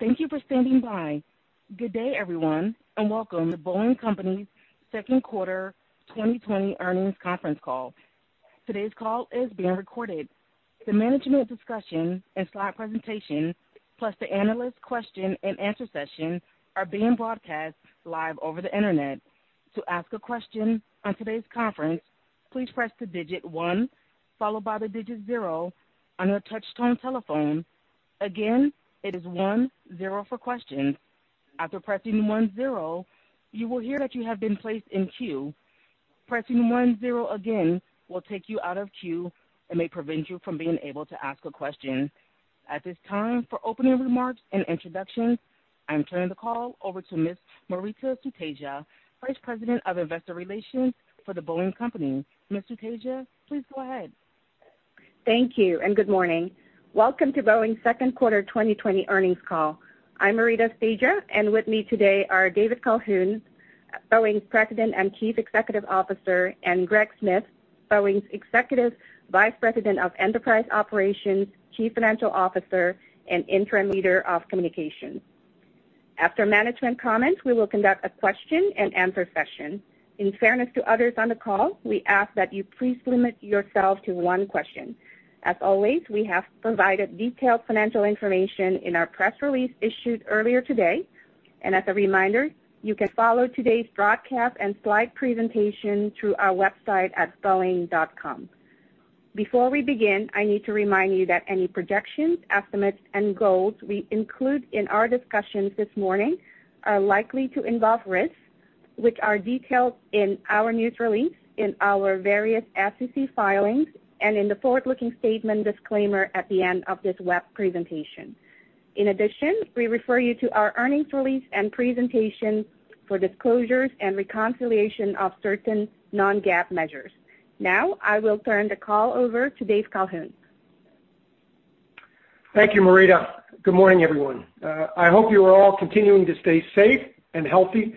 Thank you for standing by. Good day, everyone, and welcome to The Boeing Company's Q2 2020 earnings conference call. Today's call is being recorded. The management discussion and slide presentation, plus the analyst question and answer session, are being broadcast live over the Internet. To ask a question on today's conference, please press the digit one, followed by the digit zero on your touch-tone telephone. Again, it is one zero for questions. After pressing one zero, you will hear that you have been placed in queue. Pressing one zero again will take you out of queue and may prevent you from being able to ask a question. At this time, for opening remarks and introductions, I'm turning the call over to Ms. Maurita Sutedja, Vice President of Investor Relations for The Boeing Company. Ms. Sutedja, please go ahead. Thank you, and good morning. Welcome to Boeing's Q2 2020 earnings call. I'm Maurita Sutedja, and with me today are David Calhoun, Boeing's President and Chief Executive Officer, and Greg Smith, Boeing's Executive Vice President of Enterprise Operations, Chief Financial Officer, and Interim Leader of Communications. After management comments, we will conduct a question and answer session. In fairness to others on the call, we ask that you please limit yourself to one question. As always, we have provided detailed financial information in our press release issued earlier today. As a reminder, you can follow today's broadcast and slide presentation through our website at boeing.com. Before we begin, I need to remind you that any projections, estimates, and goals we include in our discussions this morning are likely to involve risks, which are detailed in our news release, in our various SEC filings, and in the forward-looking statement disclaimer at the end of this web presentation. In addition, we refer you to our earnings release and presentation for disclosures and reconciliation of certain non-GAAP measures. Now, I will turn the call over to David Calhoun. Thank you, Maurita. Good morning, everyone. I hope you are all continuing to stay safe and healthy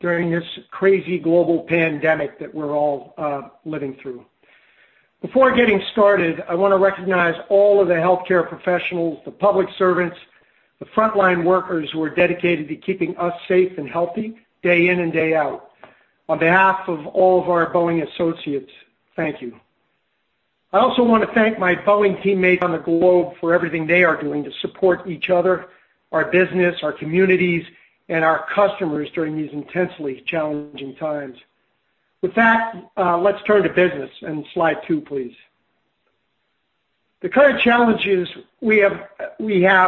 during this crazy global pandemic that we're all living through. Before getting started, I want to recognize all of the healthcare professionals, the public servants, the frontline workers who are dedicated to keeping us safe and healthy day in and day out. On behalf of all of our Boeing associates, thank you. I also want to thank my Boeing teammates on the globe for everything they are doing to support each other, our business, our communities, and our customers during these intensely challenging times. With that, let's turn to business and slide two, please. The current challenges we have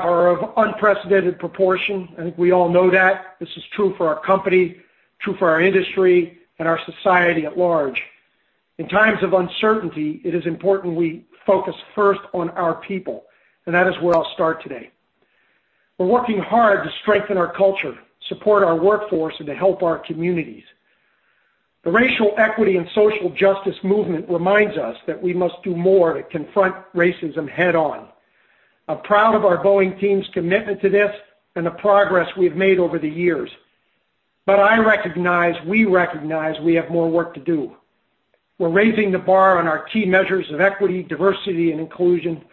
are of unprecedented proportion. And we all know that. This is true for our company, true for our industry, and our society at large. In times of uncertainty, it is important we focus first on our people, and that is where I'll start today. We're working hard to strengthen our culture, support our workforce, and to help our communities. The racial equity and social justice movement reminds us that we must do more to confront racism head-on. I'm proud of our Boeing team's commitment to this and the progress we've made over the years. But I recognize, we recognize we have more work to do. We're raising the bar on our key measures of equity, diversity, and inclusion,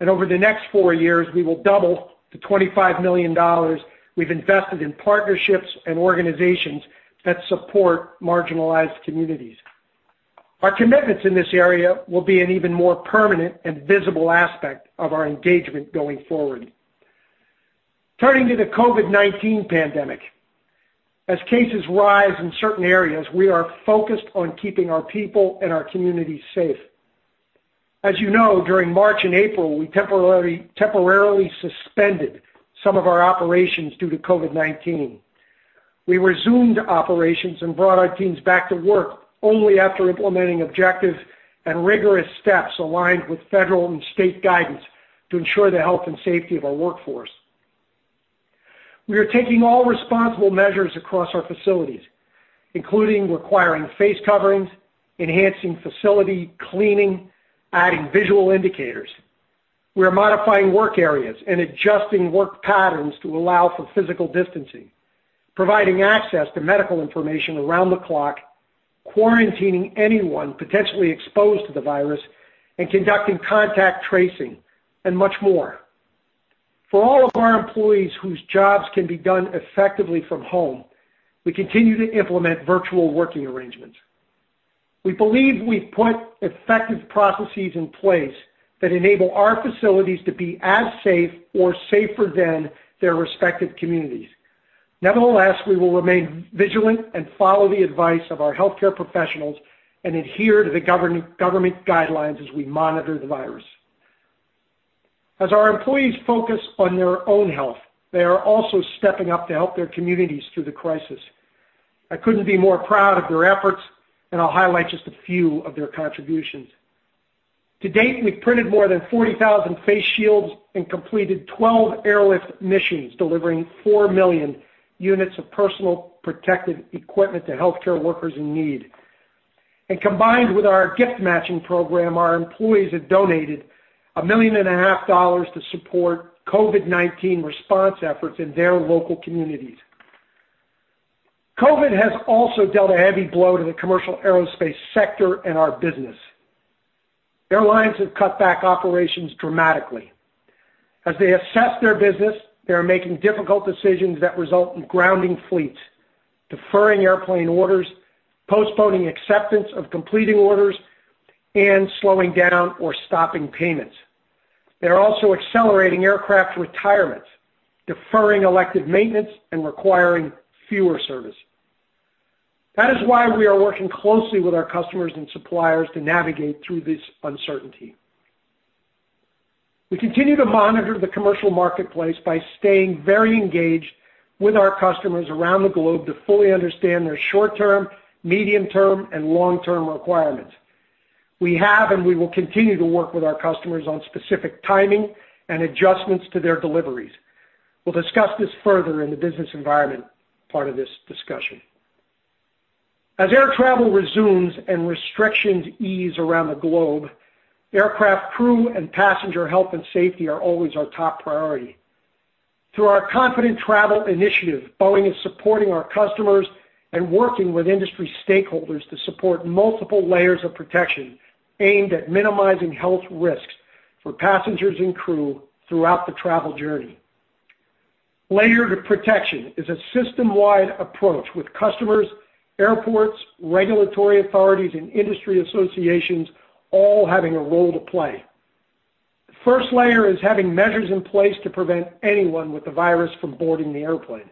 and over the next four years, we will double the $25 million we've invested in partnerships and organizations that support marginalized communities. Our commitments in this area will be an even more permanent and visible aspect of our engagement going forward. Turning to the COVID-19 pandemic. As cases rise in certain areas, we are focused on keeping our people and our communities safe. As you know, during March and April, we temporarily suspended some of our operations due to COVID-19. We resumed operations and brought our teams back to work only after implementing objective and rigorous steps aligned with federal and state guidance to ensure the health and safety of our workforce. We are taking all responsible measures across our facilities, including requiring face coverings, enhancing facility cleaning, adding visual indicators. We are modifying work areas and adjusting work patterns to allow for physical distancing, providing access to medical information around the clock, quarantining anyone potentially exposed to the virus, and conducting contact tracing, and much more. For all of our employees whose jobs can be done effectively from home, we continue to implement virtual working arrangements. We believe we've put effective processes in place that enable our facilities to be as safe or safer than their respective communities. Nevertheless, we will remain vigilant and follow the advice of our healthcare professionals and adhere to the government guidelines as we monitor the virus. As our employees focus on their own health, they are also stepping up to help their communities through the crisis. I couldn't be more proud of their efforts, and I'll highlight just a few of their contributions. To date, we've printed more than 40,000 face shields and completed 12 airlift missions, delivering 4 million units of personal protective equipment to healthcare workers in need. Combined with our gift matching program, our employees have donated a million and a half dollars to support COVID-19 response efforts in their local communities. COVID has also dealt a heavy blow to the commercial aerospace sector and our business. Airlines have cut back operations dramatically. As they assess their business, they are making difficult decisions that result in grounding fleets, deferring airplane orders, postponing acceptance of completing orders, and slowing down or stopping payments. They're also accelerating aircraft retirement, deferring elective maintenance, and requiring fewer services. That is why we are working closely with our customers and suppliers to navigate through this uncertainty. We continue to monitor the commercial marketplace by staying very engaged with our customers around the globe to fully understand their short-term, medium-term, and long-term requirements. We have and we will continue to work with our customers on specific timing and adjustments to their deliveries. We'll discuss this further in the business environment part of this discussion. As air travel resumes and restrictions ease around the globe, aircraft crew and passenger health and safety are always our top priority. Through our Confident Travel Initiative, Boeing is supporting our customers and working with industry stakeholders to support multiple layers of protection aimed at minimizing health risks for passengers and crew throughout the travel journey. Layered protection is a system-wide approach with customers, airports, regulatory authorities, and industry associations all having a role to play. The first layer is having measures in place to prevent anyone with the virus from boarding the airplane.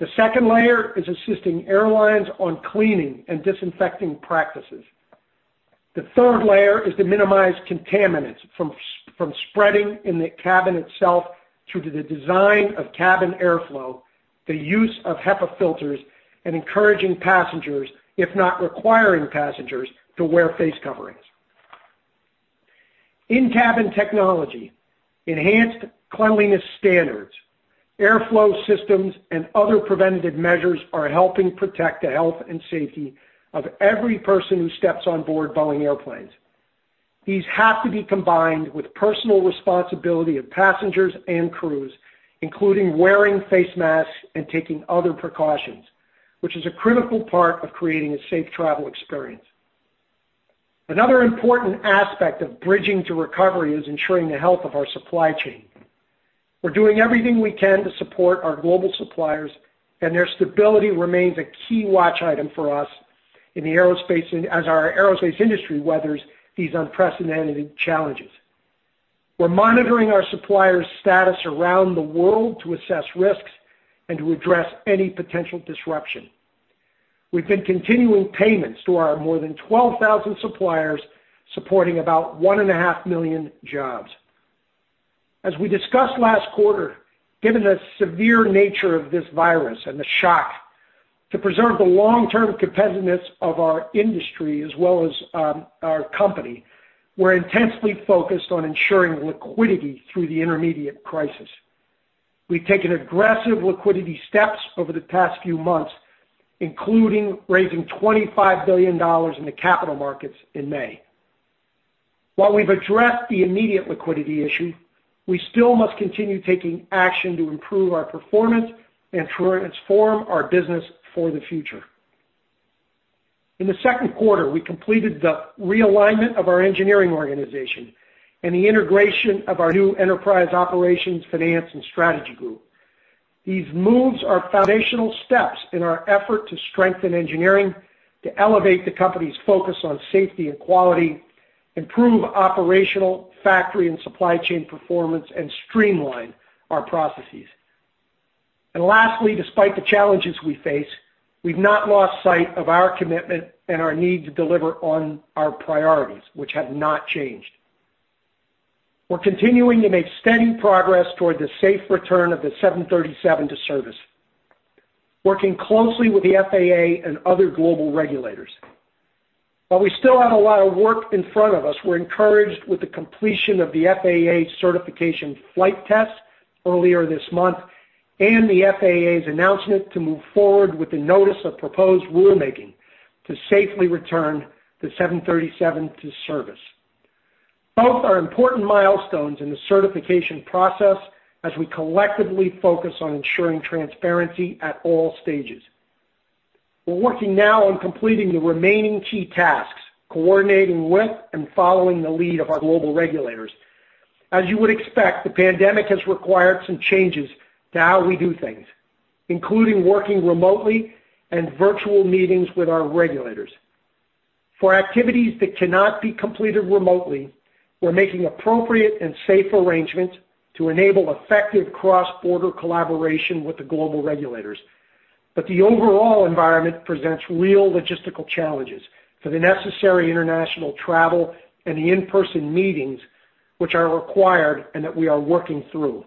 The second layer is assisting airlines on cleaning and disinfecting practices. The third layer is to minimize contaminants from spreading in the cabin itself through the design of cabin airflow, the use of HEPA filters, and encouraging passengers, if not requiring passengers, to wear face coverings. In-cabin technology, enhanced cleanliness standards, airflow systems, and other preventative measures are helping protect the health and safety of every person who steps on board Boeing airplanes. These have to be combined with personal responsibility of passengers and crews, including wearing face masks and taking other precautions, which is a critical part of creating a safe travel experience. Another important aspect of bridging to recovery is ensuring the health of our supply chain. We're doing everything we can to support our global suppliers. Their stability remains a key watch item for us as our aerospace industry weathers these unprecedented challenges. We're monitoring our suppliers' status around the world to assess risks and to address any potential disruption. We've been continuing payments to our more than 12,000 suppliers, supporting about 1.5 million jobs. As we discussed last quarter, given the severe nature of this virus and the shock, to preserve the long-term competitiveness of our industry as well as our company, we're intensely focused on ensuring liquidity through the intermediate crisis. We've taken aggressive liquidity steps over the past few months, including raising $25 billion in the capital markets in May. While we've addressed the immediate liquidity issue, we still must continue taking action to improve our performance and transform our business for the future. In the Q2, we completed the realignment of our engineering organization and the integration of our new enterprise operations, finance, and strategy group. These moves are foundational steps in our effort to strengthen engineering, to elevate the company's focus on safety and quality, improve operational, factory, and supply chain performance, and streamline our processes. Lastly, despite the challenges we face, we've not lost sight of our commitment and our need to deliver on our priorities, which have not changed. We're continuing to make steady progress toward the safe return of the 737 to service, working closely with the FAA and other global regulators. While we still have a lot of work in front of us, we're encouraged with the completion of the FAA certification flight test earlier this month and the FAA's announcement to move forward with the Notice of Proposed Rulemaking to safely return the 737 to service. Both are important milestones in the certification process as we collectively focus on ensuring transparency at all stages. We're working now on completing the remaining key tasks, coordinating with and following the lead of our global regulators. As you would expect, the pandemic has required some changes to how we do things, including working remotely and virtual meetings with our regulators. For activities that cannot be completed remotely, we're making appropriate and safe arrangements to enable effective cross-border collaboration with the global regulators. The overall environment presents real logistical challenges for the necessary international travel and the in-person meetings which are required and that we are working through.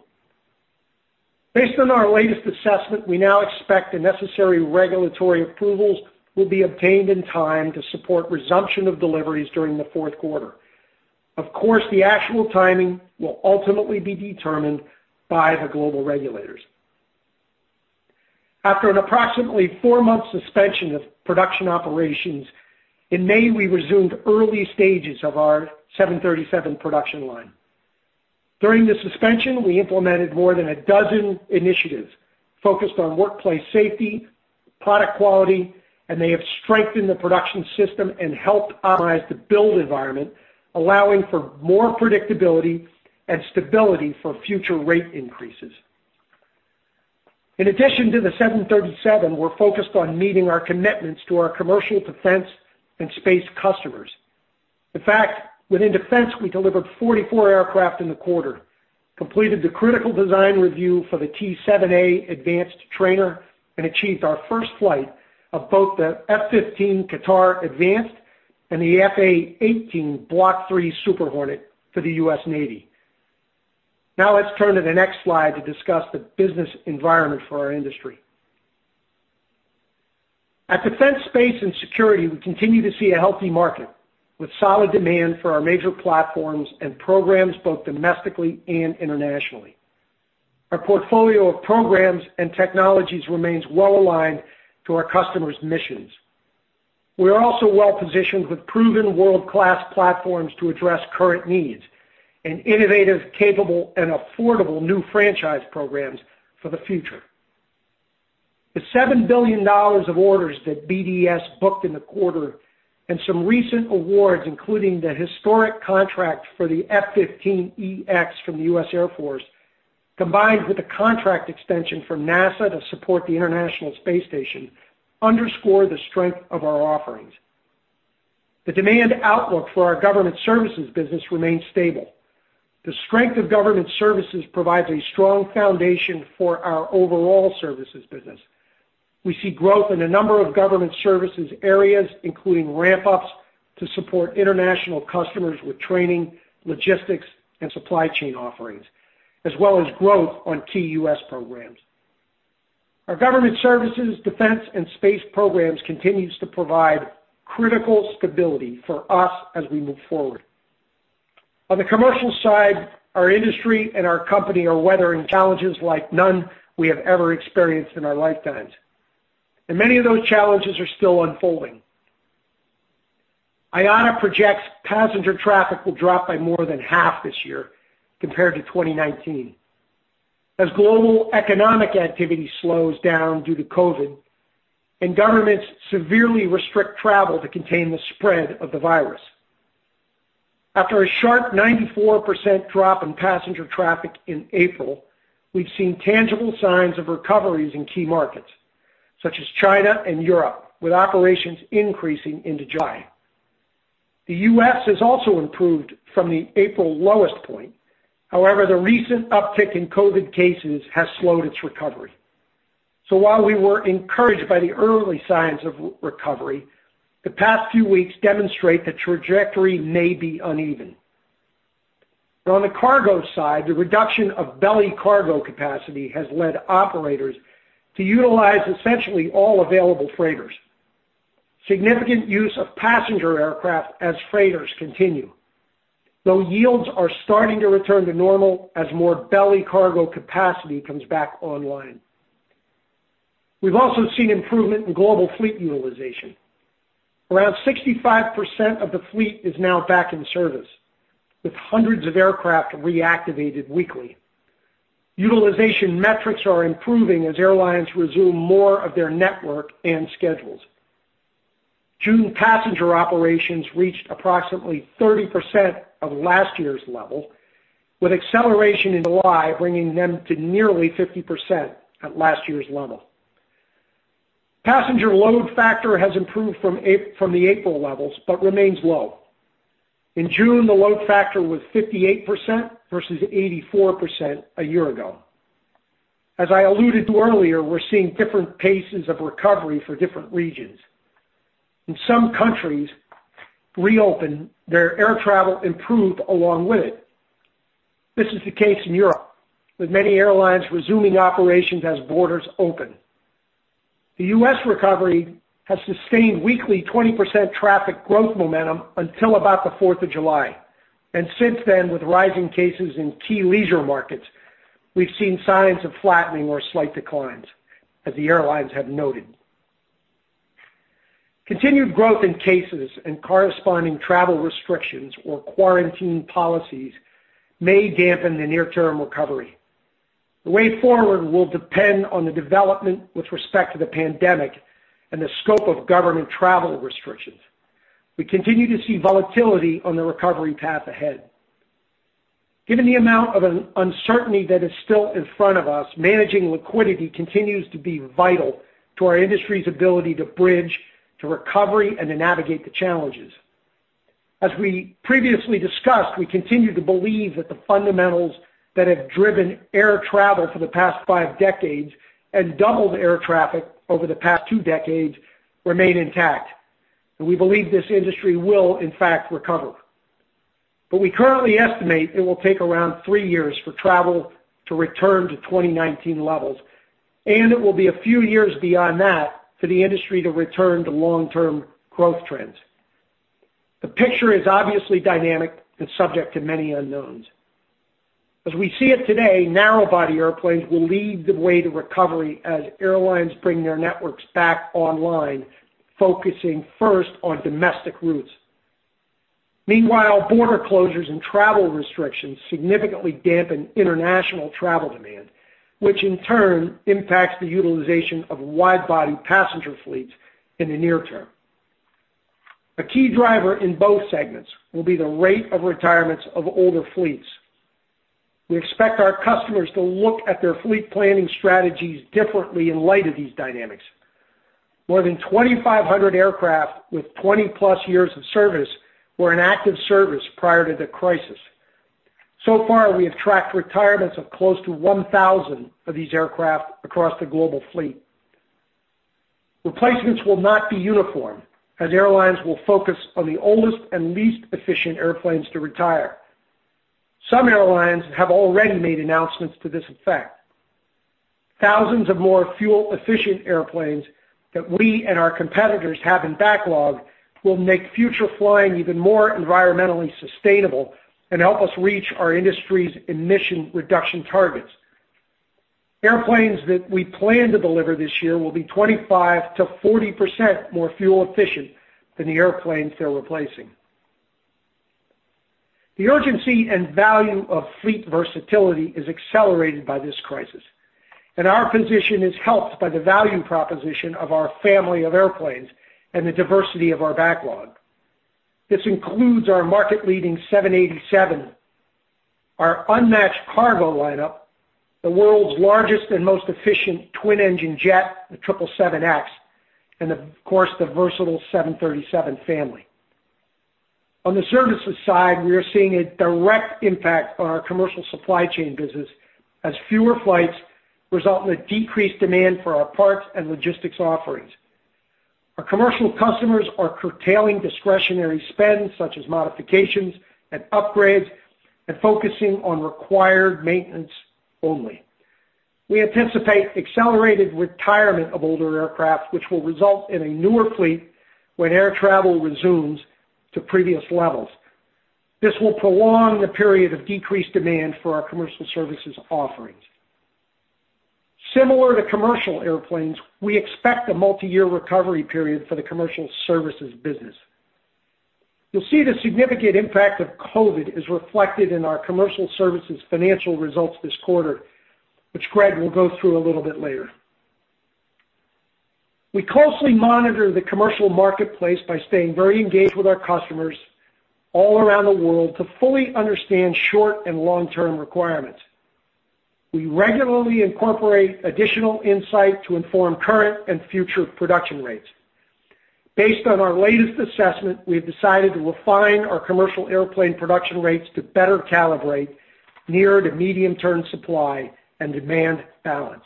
Based on our latest assessment, we now expect the necessary regulatory approvals will be obtained in time to support resumption of deliveries during the Q4. Of course, the actual timing will ultimately be determined by the global regulators. After an approximately four-month suspension of production operations, in May, we resumed early stages of our 737 production line. During the suspension, we implemented more than a dozen initiatives focused on workplace safety, product quality, and they have strengthened the production system and helped optimize the build environment, allowing for more predictability and stability for future rate increases. In addition to the 737, we're focused on meeting our commitments to our commercial defense and space customers. In fact, within defense, we delivered 44 aircraft in the quarter, completed the critical design review for the T-7A advanced trainer, and achieved our first flight of both the F-15 Qatar Advanced and the F/A-18 Block III Super Hornet for the U.S. Navy. Now let's turn to the next slide to discuss the business environment for our industry. At Defense, Space & Security, we continue to see a healthy market, with solid demand for our major platforms and programs, both domestically and internationally. Our portfolio of programs and technologies remains well aligned to our customers' missions. We are also well positioned with proven world-class platforms to address current needs and innovative, capable, and affordable new franchise programs for the future. The $7 billion of orders that BDS booked in the quarter, and some recent awards, including the historic contract for the F-15EX from the US Air Force, combined with the contract extension from NASA to support the International Space Station, underscore the strength of our offerings. The demand outlook for our government services business remains stable. The strength of government services provides a strong foundation for our overall services business. We see growth in a number of government services areas, including ramp-ups to support international customers with training, logistics, and supply chain offerings, as well as growth on key U.S. programs. Our government services, defense, and space programs continues to provide critical stability for us as we move forward. On the commercial side, our industry and our company are weathering challenges like none we have ever experienced in our lifetimes, and many of those challenges are still unfolding. IATA projects passenger traffic will drop by more than half this year compared to 2019 as global economic activity slows down due to COVID and governments severely restrict travel to contain the spread of the virus. After a sharp 94% drop in passenger traffic in April, we've seen tangible signs of recoveries in key markets, such as China and Europe, with operations increasing into July. The U.S. has also improved from the April lowest point. The recent uptick in COVID cases has slowed its recovery. While we were encouraged by the early signs of recovery, the past few weeks demonstrate the trajectory may be uneven. On the cargo side, the reduction of belly cargo capacity has led operators to utilize essentially all available freighters. Significant use of passenger aircraft as freighters continue. Yields are starting to return to normal as more belly cargo capacity comes back online. We've also seen improvement in global fleet utilization. Around 65% of the fleet is now back in service, with hundreds of aircraft reactivated weekly. Utilization metrics are improving as airlines resume more of their network and schedules. June passenger operations reached approximately 30% of last year's level, with acceleration in July bringing them to nearly 50% at last year's level. Passenger load factor has improved from the April levels, remains low. In June, the load factor was 58% versus 84% a year ago. As I alluded to earlier, we're seeing different paces of recovery for different regions. In some countries, reopen, their air travel improved along with it. This is the case in Europe, with many airlines resuming operations as borders open. The U.S. recovery has sustained weekly 20% traffic growth momentum until about the 4th of July, and since then, with rising cases in key leisure markets, we've seen signs of flattening or slight declines as the airlines have noted. Continued growth in cases and corresponding travel restrictions or quarantine policies may dampen the near-term recovery. The way forward will depend on the development with respect to the pandemic and the scope of government travel restrictions. We continue to see volatility on the recovery path ahead. Given the amount of uncertainty that is still in front of us, managing liquidity continues to be vital to our industry's ability to bridge to recovery and to navigate the challenges. As we previously discussed, we continue to believe that the fundamentals that have driven air travel for the past five decades and doubled air traffic over the past two decades remain intact, and we believe this industry will in fact recover. But we currently estimate it will take around three years for travel to return to 2019 levels, and it will be a few years beyond that for the industry to return to long-term growth trends. The picture is obviously dynamic and subject to many unknowns. As we see it today, narrow-body airplanes will lead the way to recovery as airlines bring their networks back online. Focusing first on domestic routes. Meanwhile, border closures and travel restrictions significantly dampen international travel demand, which in turn impacts the utilization of wide-body passenger fleets in the near term. A key driver in both segments will be the rate of retirements of older fleets. We expect our customers to look at their fleet planning strategies differently in light of these dynamics. More than 2,500 aircraft with 20-plus years of service were in active service prior to the crisis. So far, we have tracked retirements of close to 1,000 of these aircraft across the global fleet. Replacements will not be uniform, as airlines will focus on the oldest and least efficient airplanes to retire. Some airlines have already made announcements to this effect. Thousands of more fuel-efficient airplanes that we and our competitors have in backlog will make future flying even more environmentally sustainable and help us reach our industry's emission reduction targets. Airplanes that we plan to deliver this year will be 25% to 40% more fuel efficient than the airplanes they're replacing. The urgency and value of fleet versatility is accelerated by this crisis, and our position is helped by the value proposition of our family of airplanes and the diversity of our backlog. This includes our market-leading 787, our unmatched cargo lineup, the world's largest and most efficient twin-engine jet, the 777X, and of course, the versatile 737 family. On the services side, we are seeing a direct impact on our commercial supply chain business as fewer flights result in a decreased demand for our parts and logistics offerings. Our commercial customers are curtailing discretionary spend, such as modifications and upgrades, and focusing on required maintenance only. We anticipate accelerated retirement of older aircraft, which will result in a newer fleet when air travel resumes to previous levels. This will prolong the period of decreased demand for our commercial services offerings. Similar to commercial airplanes, we expect a multi-year recovery period for the commercial services business. You'll see the significant impact of COVID is reflected in our commercial services financial results this quarter, which Greg will go through a little bit later. We closely monitor the commercial marketplace by staying very engaged with our customers all around the world to fully understand short and long-term requirements. We regularly incorporate additional insight to inform current and future production rates. Based on our latest assessment, we have decided to refine our commercial airplane production rates to better calibrate near to medium-term supply and demand balance.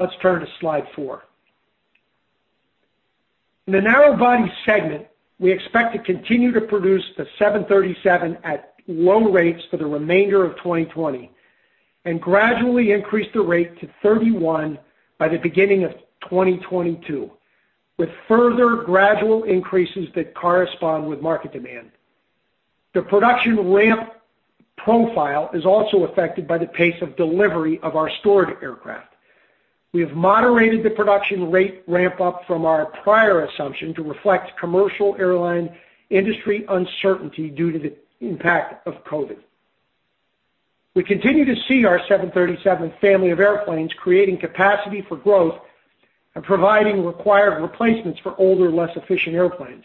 Let's turn to slide four. In the narrow-body segment, we expect to continue to produce the 737 at low rates for the remainder of 2020 and gradually increase the rate to 31 by the beginning of 2022, with further gradual increases that correspond with market demand. The production ramp profile is also affected by the pace of delivery of our stored aircraft. We have moderated the production rate ramp-up from our prior assumption to reflect commercial airline industry uncertainty due to the impact of COVID. We continue to see our 737 family of airplanes creating capacity for growth and providing required replacements for older, less efficient airplanes.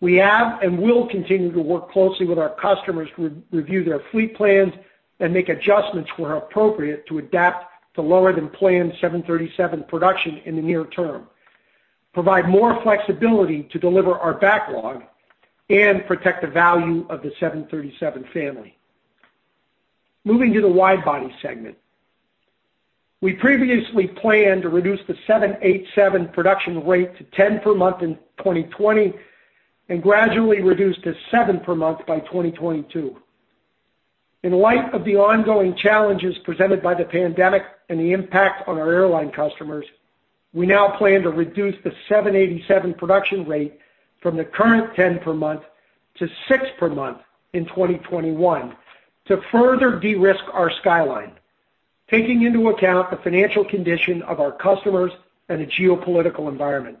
We have and will continue to work closely with our customers to review their fleet plans and make adjustments where appropriate to adapt to lower-than-planned 737 production in the near term, provide more flexibility to deliver our backlog, and protect the value of the 737 family. Moving to the wide-body segment. We previously planned to reduce the 787 production rate to 10 per month in 2020 and gradually reduce to seven per month by 2022. In light of the ongoing challenges presented by the pandemic and the impact on our airline customers, we now plan to reduce the 787 production rate from the current 10 per month to six per month in 2021 to further de-risk our skyline, taking into account the financial condition of our customers and the geopolitical environment.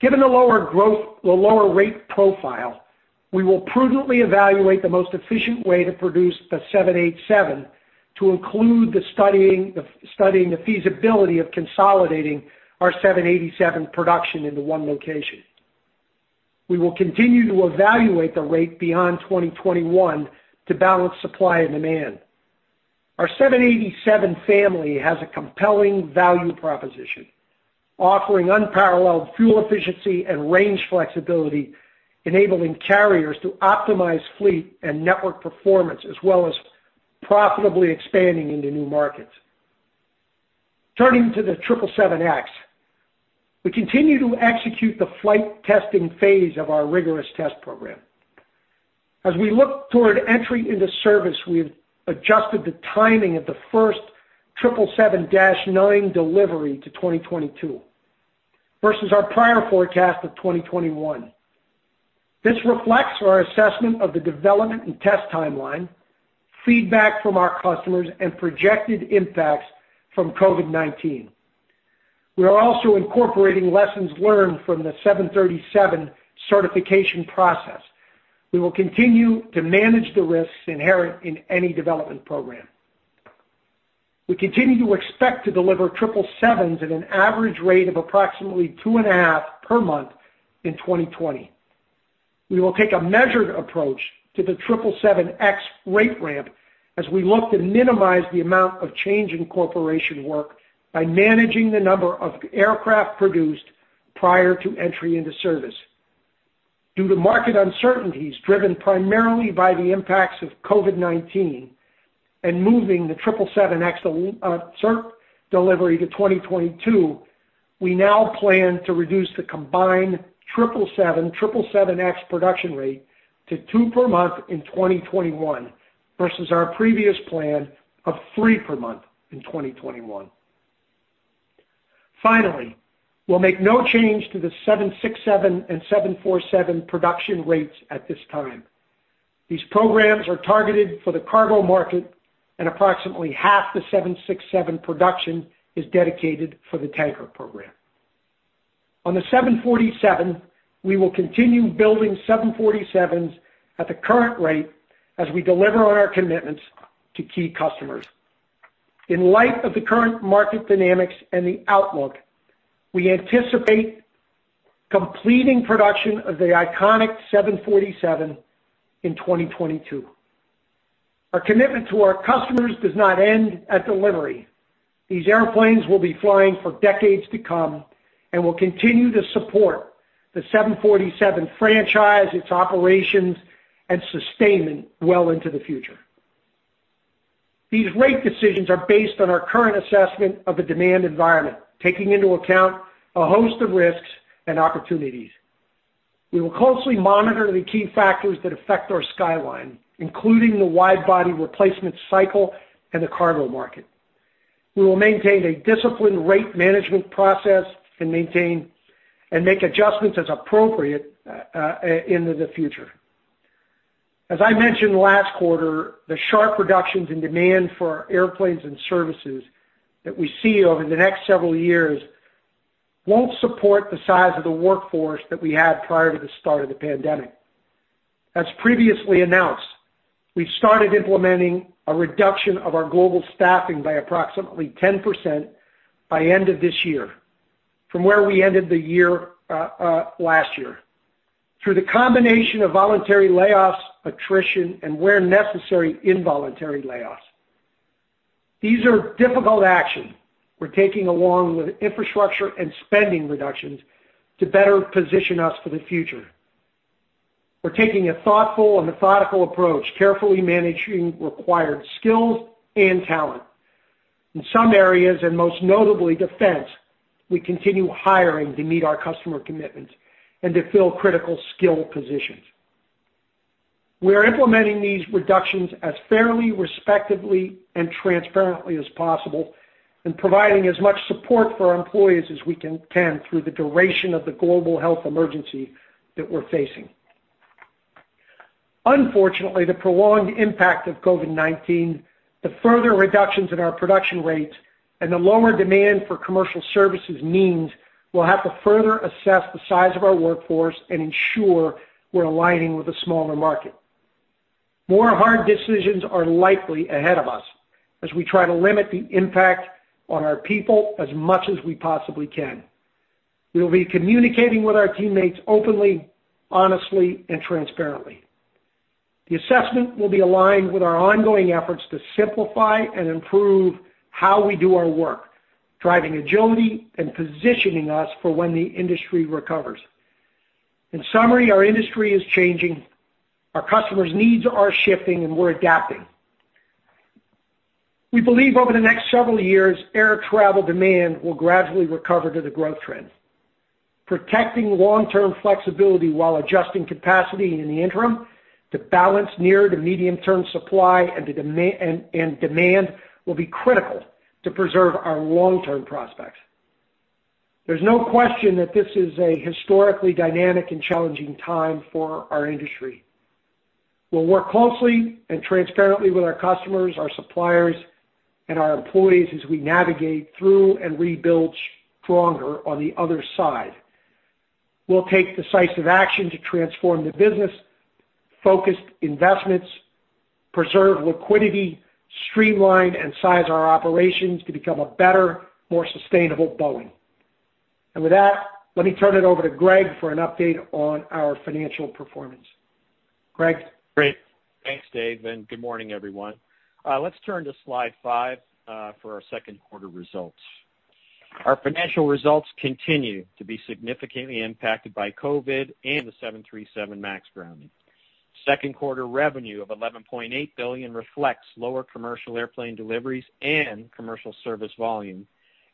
Given the lower rate profile, we will prudently evaluate the most efficient way to produce the 787 to include studying the feasibility of consolidating our 787 production into one location. We will continue to evaluate the rate beyond 2021 to balance supply and demand. Our 787 family has a compelling value proposition, offering unparalleled fuel efficiency and range flexibility, enabling carriers to optimize fleet and network performance, as well as profitably expanding into new markets. Turning to the 777X. We continue to execute the flight testing phase of our rigorous test program. As we look toward entry into service, we have adjusted the timing of the first 777-nine delivery to 2022 versus our prior forecast of 2021. This reflects our assessment of the development and test timeline, feedback from our customers, and projected impacts from COVID-19. We are also incorporating lessons learned from the 737 certification process. We will continue to manage the risks inherent in any development program. We continue to expect to deliver 777s at an average rate of approximately two and a half per month in 2020. We will take a measured approach to the 777X rate ramp as we look to minimize the amount of change in corporation work by managing the number of aircraft produced prior to entry into service. Due to market uncertainties driven primarily by the impacts of COVID-19 and moving the 777X cert delivery to 2022, we now plan to reduce the combined 777, 777X production rate to two per month in 2021 versus our previous plan of three per month in 2021. Finally, we'll make no change to the 767 and 747 production rates at this time. These programs are targeted for the cargo market and approximately half the 767 production is dedicated for the tanker program. On the 747, we will continue building 747s at the current rate as we deliver on our commitments to key customers. In light of the current market dynamics and the outlook, we anticipate completing production of the iconic 747 in 2022. Our commitment to our customers does not end at delivery. These airplanes will be flying for decades to come and will continue to support the 747 franchise, its operations, and sustainment well into the future. These rate decisions are based on our current assessment of the demand environment, taking into account a host of risks and opportunities. We will closely monitor the key factors that affect our skyline, including the wide-body replacement cycle and the cargo market. We will maintain a disciplined rate management process and make adjustments as appropriate into the future. As I mentioned last quarter, the sharp reductions in demand for airplanes and services that we see over the next several years won't support the size of the workforce that we had prior to the start of the pandemic. As previously announced, we've started implementing a reduction of our global staffing by approximately 10% by end of this year from where we ended the year last year through the combination of voluntary layoffs, attrition, and where necessary, involuntary layoffs. These are difficult actions we're taking along with infrastructure and spending reductions to better position us for the future. We're taking a thoughtful and methodical approach, carefully managing required skills and talent. In some areas, and most notably defense, we continue hiring to meet our customer commitments and to fill critical skill positions. We are implementing these reductions as fairly, respectfully, and transparently as possible, and providing as much support for our employees as we can through the duration of the global health emergency that we're facing. Unfortunately, the prolonged impact of COVID-19, the further reductions in our production rates, and the lower demand for commercial services means we'll have to further assess the size of our workforce and ensure we're aligning with a smaller market. More hard decisions are likely ahead of us as we try to limit the impact on our people as much as we possibly can. We will be communicating with our teammates openly, honestly, and transparently. The assessment will be aligned with our ongoing efforts to simplify and improve how we do our work, driving agility and positioning us for when the industry recovers. In summary, our industry is changing, our customers' needs are shifting, and we're adapting. We believe over the next several years, air travel demand will gradually recover to the growth trend. Protecting long-term flexibility while adjusting capacity in the interim to balance near to medium-term supply and demand will be critical to preserve our long-term prospects. There's no question that this is a historically dynamic and challenging time for our industry. We'll work closely and transparently with our customers, our suppliers, and our employees as we navigate through and rebuild stronger on the other side. We'll take decisive action to transform the business, focus investments, preserve liquidity, streamline and size our operations to become a better, more sustainable Boeing. With that, let me turn it over to Greg for an update on our financial performance. Greg? Great. Thanks, David, good morning, everyone. Let's turn to slide five for our Q2 results. Our financial results continue to be significantly impacted by COVID and the 737 MAX grounding. Q2 revenue of $11.8 billion reflects lower commercial airplane deliveries and commercial service volume,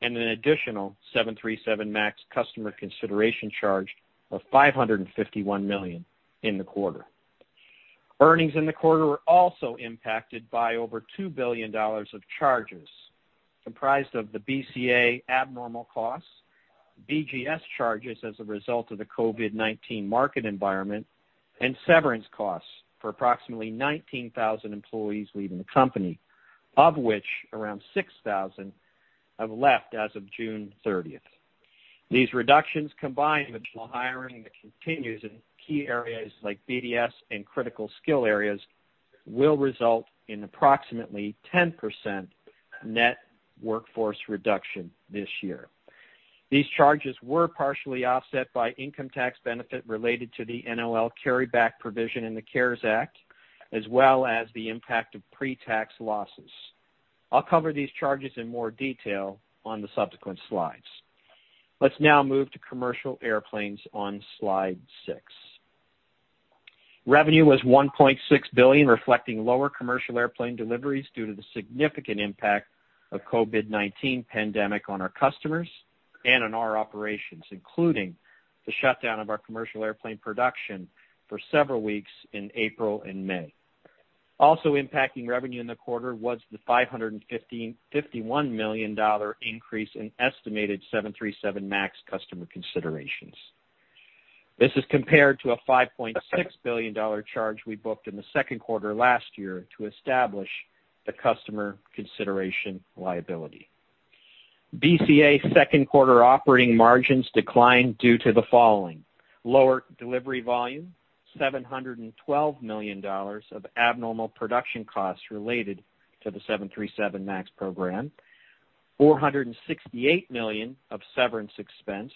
and an additional 737 MAX customer consideration charge of $551 million in the quarter. Earnings in the quarter were also impacted by over $2 billion of charges, comprised of the BCA abnormal costs, BGS charges as a result of the COVID-19 market environment, and severance costs for approximately 19,000 employees leaving the company, of which around 6,000 have left as of June 30th. These reductions, combined with the hiring that continues in key areas like BDS and critical skill areas, will result in approximately 10% net workforce reduction this year. These charges were partially offset by income tax benefit related to the NOL carryback provision in the CARES Act, as well as the impact of pre-tax losses. I'll cover these charges in more detail on the subsequent slides. But now move to commercial airplanes on Slide six. Revenue was $1.6 billion, reflecting lower commercial airplane deliveries due to the significant impact of COVID-19 pandemic on our customers and on our operations, including the shutdown of our commercial airplane production for several weeks in April and May. Also impacting revenue in the quarter was the $551 million increase in estimated 737 MAX customer considerations. This is compared to a $5.6 billion charge we booked in the Q2 last year to establish the customer consideration liability. BCA Q2 operating margins declined due to the following. Lower delivery volume, $712 million of abnormal production costs related to the 737 MAX program, $468 million of severance expense,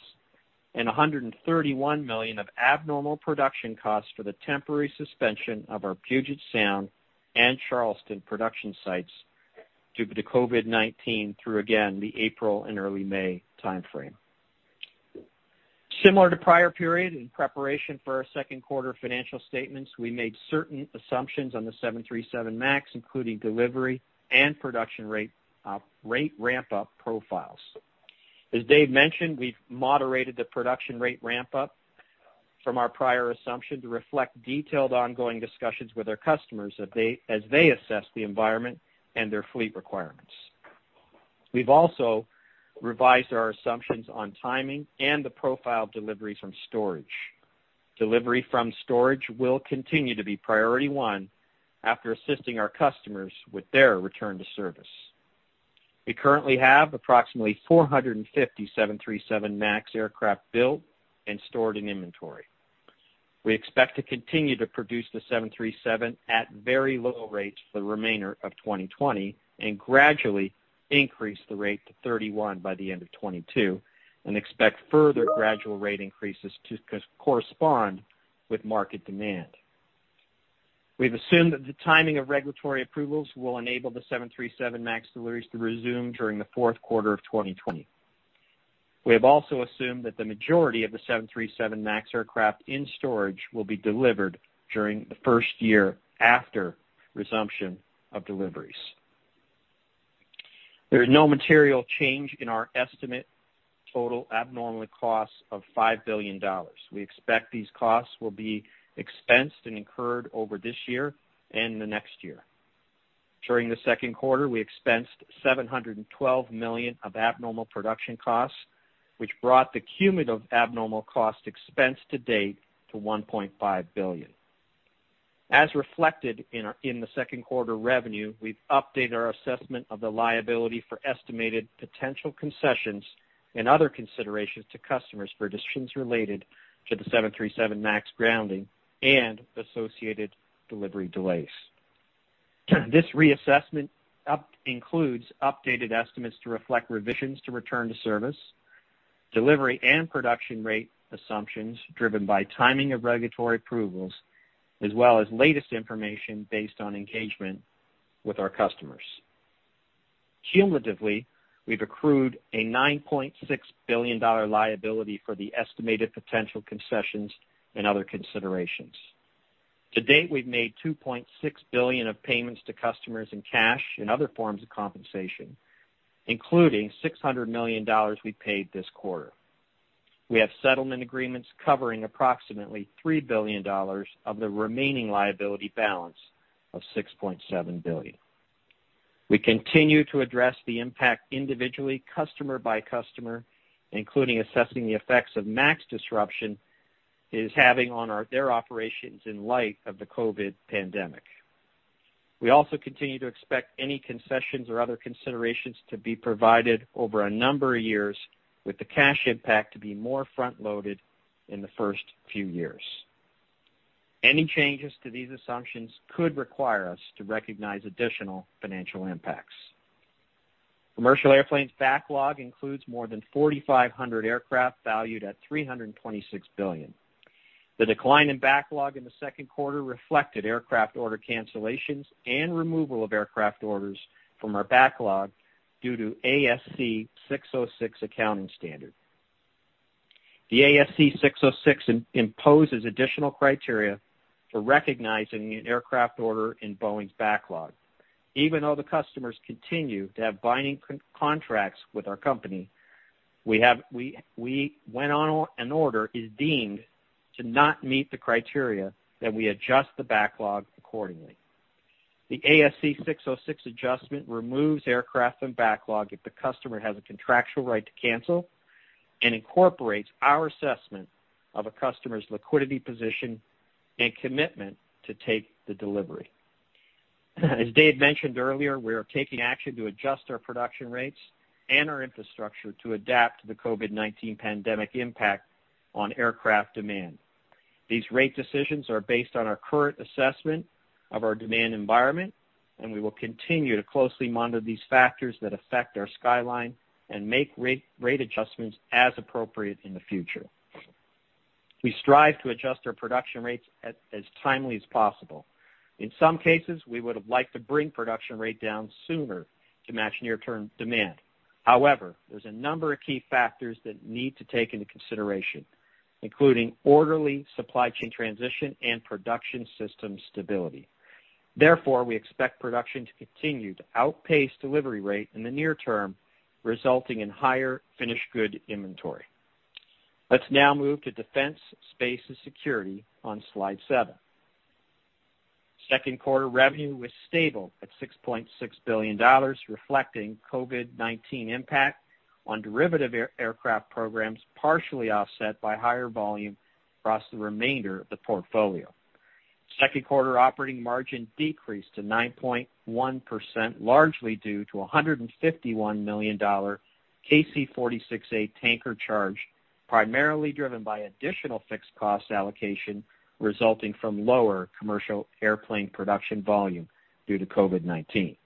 and $131 million of abnormal production costs for the temporary suspension of our Puget Sound and Charleston production sites due to COVID-19 through, again, the April and early May timeframe. Similar to prior period, in preparation for our Q2 financial statements, we made certain assumptions on the 737 MAX, including delivery and production rate ramp-up profiles. As David mentioned, we've moderated the production rate ramp-up from our prior assumption to reflect detailed ongoing discussions with our customers as they assess the environment and their fleet requirements. We've also revised our assumptions on timing and the profile delivery from storage. Delivery from storage will continue to be priority one after assisting our customers with their return to service. We currently have approximately 450 737 MAX aircraft built and stored in inventory. We expect to continue to produce the 737 at very low rates for the remainder of 2020, and gradually increase the rate to 31 by the end of 2022, and expect further gradual rate increases to correspond with market demand. We've assumed that the timing of regulatory approvals will enable the 737 MAX deliveries to resume during the Q4 of 2020. We have also assumed that the majority of the 737 MAX aircraft in storage will be delivered during the first year after resumption of deliveries. There is no material change in our estimate total abnormal cost of $5 billion. We expect these costs will be expensed and incurred over this year and the next year. During the Q2, we expensed $712 million of abnormal production costs, which brought the cumulative abnormal cost expense to date to $1.5 billion. As reflected in the Q2 revenue, we've updated our assessment of the liability for estimated potential concessions and other considerations to customers for decisions related to the 737 MAX grounding and associated delivery delays. This reassessment includes updated estimates to reflect revisions to return to service, delivery and production rate assumptions driven by timing of regulatory approvals, as well as latest information based on engagement with our customers. Cumulatively, we've accrued a $9.6 billion liability for the estimated potential concessions and other considerations. To date, we've made $2.6 billion of payments to customers in cash and other forms of compensation, including $600 million we paid this quarter. We have settlement agreements covering approximately $3 billion of the remaining liability balance of $6.7 billion. We continue to address the impact individually, customer by customer, including assessing the effects of MAX disruption it is having on their operations in light of the COVID-19 pandemic. We also continue to expect any concessions or other considerations to be provided over a number of years, with the cash impact to be more front-loaded in the first few years. Any changes to these assumptions could require us to recognize additional financial impacts. Commercial Airplanes backlog includes more than 4,500 aircraft valued at $326 billion. The decline in backlog in the Q2 reflected aircraft order cancellations and removal of aircraft orders from our backlog due to ASC 606 accounting standard. The ASC 606 imposes additional criteria for recognizing an aircraft order in Boeing's backlog. Even though the customers continue to have binding contracts with our company. When an order is deemed to not meet the criteria, we adjust the backlog accordingly. The ASC 606 adjustment removes aircraft from backlog if the customer has a contractual right to cancel and incorporates our assessment of a customer's liquidity position and commitment to take the delivery. As David mentioned earlier, we are taking action to adjust our production rates and our infrastructure to adapt to the COVID-19 pandemic impact on aircraft demand. These rate decisions are based on our current assessment of our demand environment. We will continue to closely monitor these factors that affect our skyline and make rate adjustments as appropriate in the future. We strive to adjust our production rates as timely as possible. In some cases, we would have liked to bring production rate down sooner to match near-term demand. However, there's a number of key factors that need to take into consideration, including orderly supply chain transition and production system stability. Therefore, we expect production to continue to outpace delivery rate in the near term, resulting in higher finished good inventory. Let's now move to Defense, Space & Security on slide seven. Q2 revenue was stable at $6.6 billion, reflecting COVID-19 impact on derivative aircraft programs, partially offset by higher volume across the remainder of the portfolio. Q2 operating margin decreased to 9.1%, largely due to $151 million KC-46A tanker charge, primarily driven by additional fixed cost allocation resulting from lower commercial airplane production volume due to COVID-19.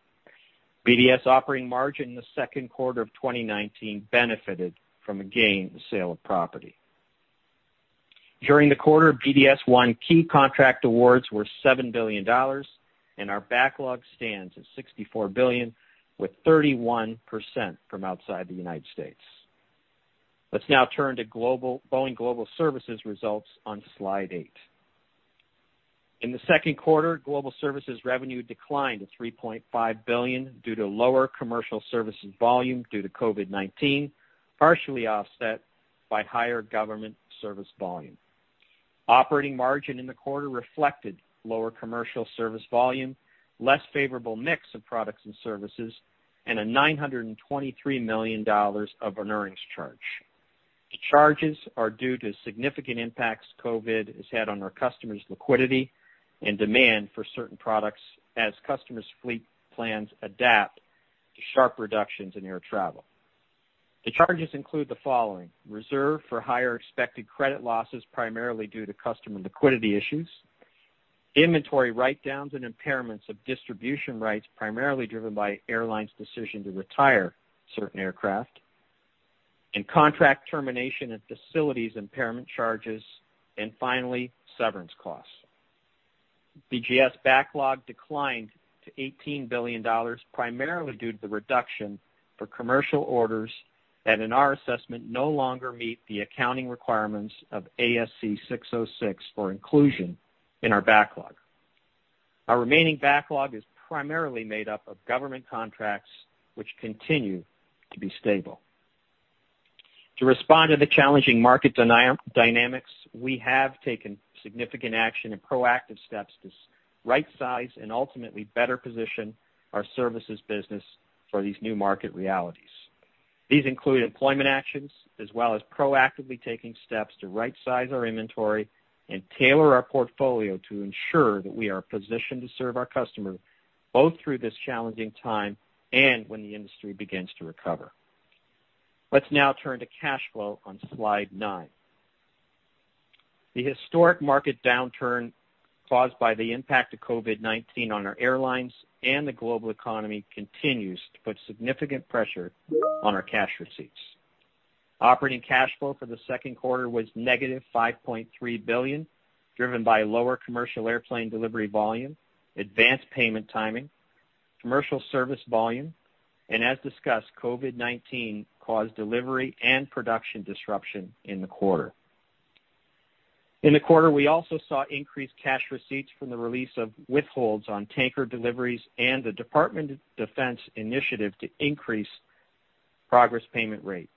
BDS operating margin in the Q2 of 2019 benefited from a gain in the sale of property. During the quarter, BDS won key contract awards worth $7 billion, and our backlog stands at $64 billion, with 31% from outside the United States. Let's now turn to Boeing Global Services results on slide eight. In the Q2, Global Services revenue declined to $3.5 billion due to lower commercial services volume due to COVID-19, partially offset by higher government service volume. Operating margin in the quarter reflected lower commercial service volume, less favorable mix of products and services, and a $923 million of an earnings charge. The charges are due to significant impacts COVID has had on our customers' liquidity and demand for certain products as customers' fleet plans adapt to sharp reductions in air travel. The charges include the following, reserve for higher expected credit losses, primarily due to customer liquidity issues, inventory write-downs and impairments of distribution rights, primarily driven by airlines' decision to retire certain aircraft, and contract termination and facilities impairment charges, and finally, severance costs. BGS backlog declined to $18 billion, primarily due to the reduction for commercial orders that, in our assessment, no longer meet the accounting requirements of ASC 606 for inclusion in our backlog. Our remaining backlog is primarily made up of government contracts, which continue to be stable. To respond to the challenging market dynamics, we have taken significant action and proactive steps to rightsize and ultimately better position our services business for these new market realities. These include employment actions as well as proactively taking steps to rightsize our inventory and tailor our portfolio to ensure that we are positioned to serve our customers, both through this challenging time and when the industry begins to recover. Let's now turn to cash flow on slide nine. The historic market downturn caused by the impact of COVID-19 on our airlines and the global economy continues to put significant pressure on our cash receipts. Operating cash flow for the Q2 was negative $5.3 billion, driven by lower commercial airplane delivery volume, advanced payment timing, commercial service volume, and as discussed, COVID-19 caused delivery and production disruption in the quarter. In the quarter, we also saw increased cash receipts from the release of withholds on tanker deliveries and the Department of Defense initiative to increase progress payment rate.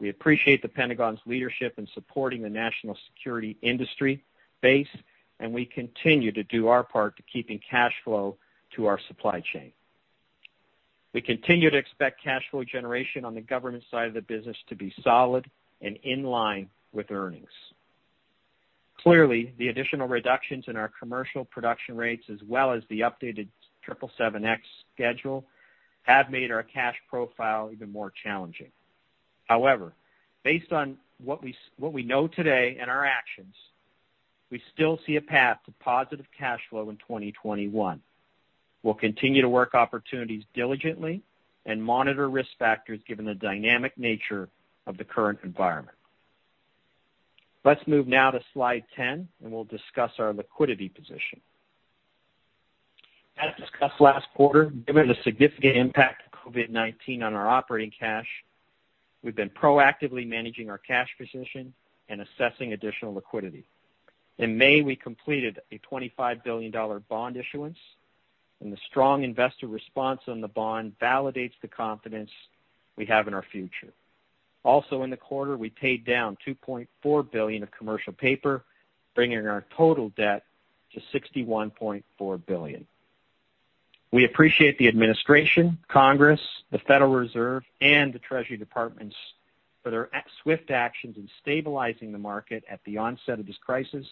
We appreciate the Pentagon's leadership in supporting the national security industry base. We continue to do our part to keeping cash flow to our supply chain. We continue to expect cash flow generation on the government side of the business to be solid and in line with earnings. Clearly, the additional reductions in our commercial production rates, as well as the updated 777X schedule, have made our cash profile even more challenging. However, based on what we know today and our actions, we still see a path to positive cash flow in 2021. We'll continue to work opportunities diligently and monitor risk factors given the dynamic nature of the current environment. Let's move now to slide 10, and we'll discuss our liquidity position. As discussed last quarter, given the significant impact of COVID-19 on our operating cash, we've been proactively managing our cash position and assessing additional liquidity. In May, we completed a $25 billion bond issuance. The strong investor response on the bond validates the confidence we have in our future. Also in the quarter, we paid down $2.4 billion of commercial paper, bringing our total debt to $61.4 billion. We appreciate the administration, Congress, the Federal Reserve, and the Treasury Department for their swift actions in stabilizing the market at the onset of this crisis,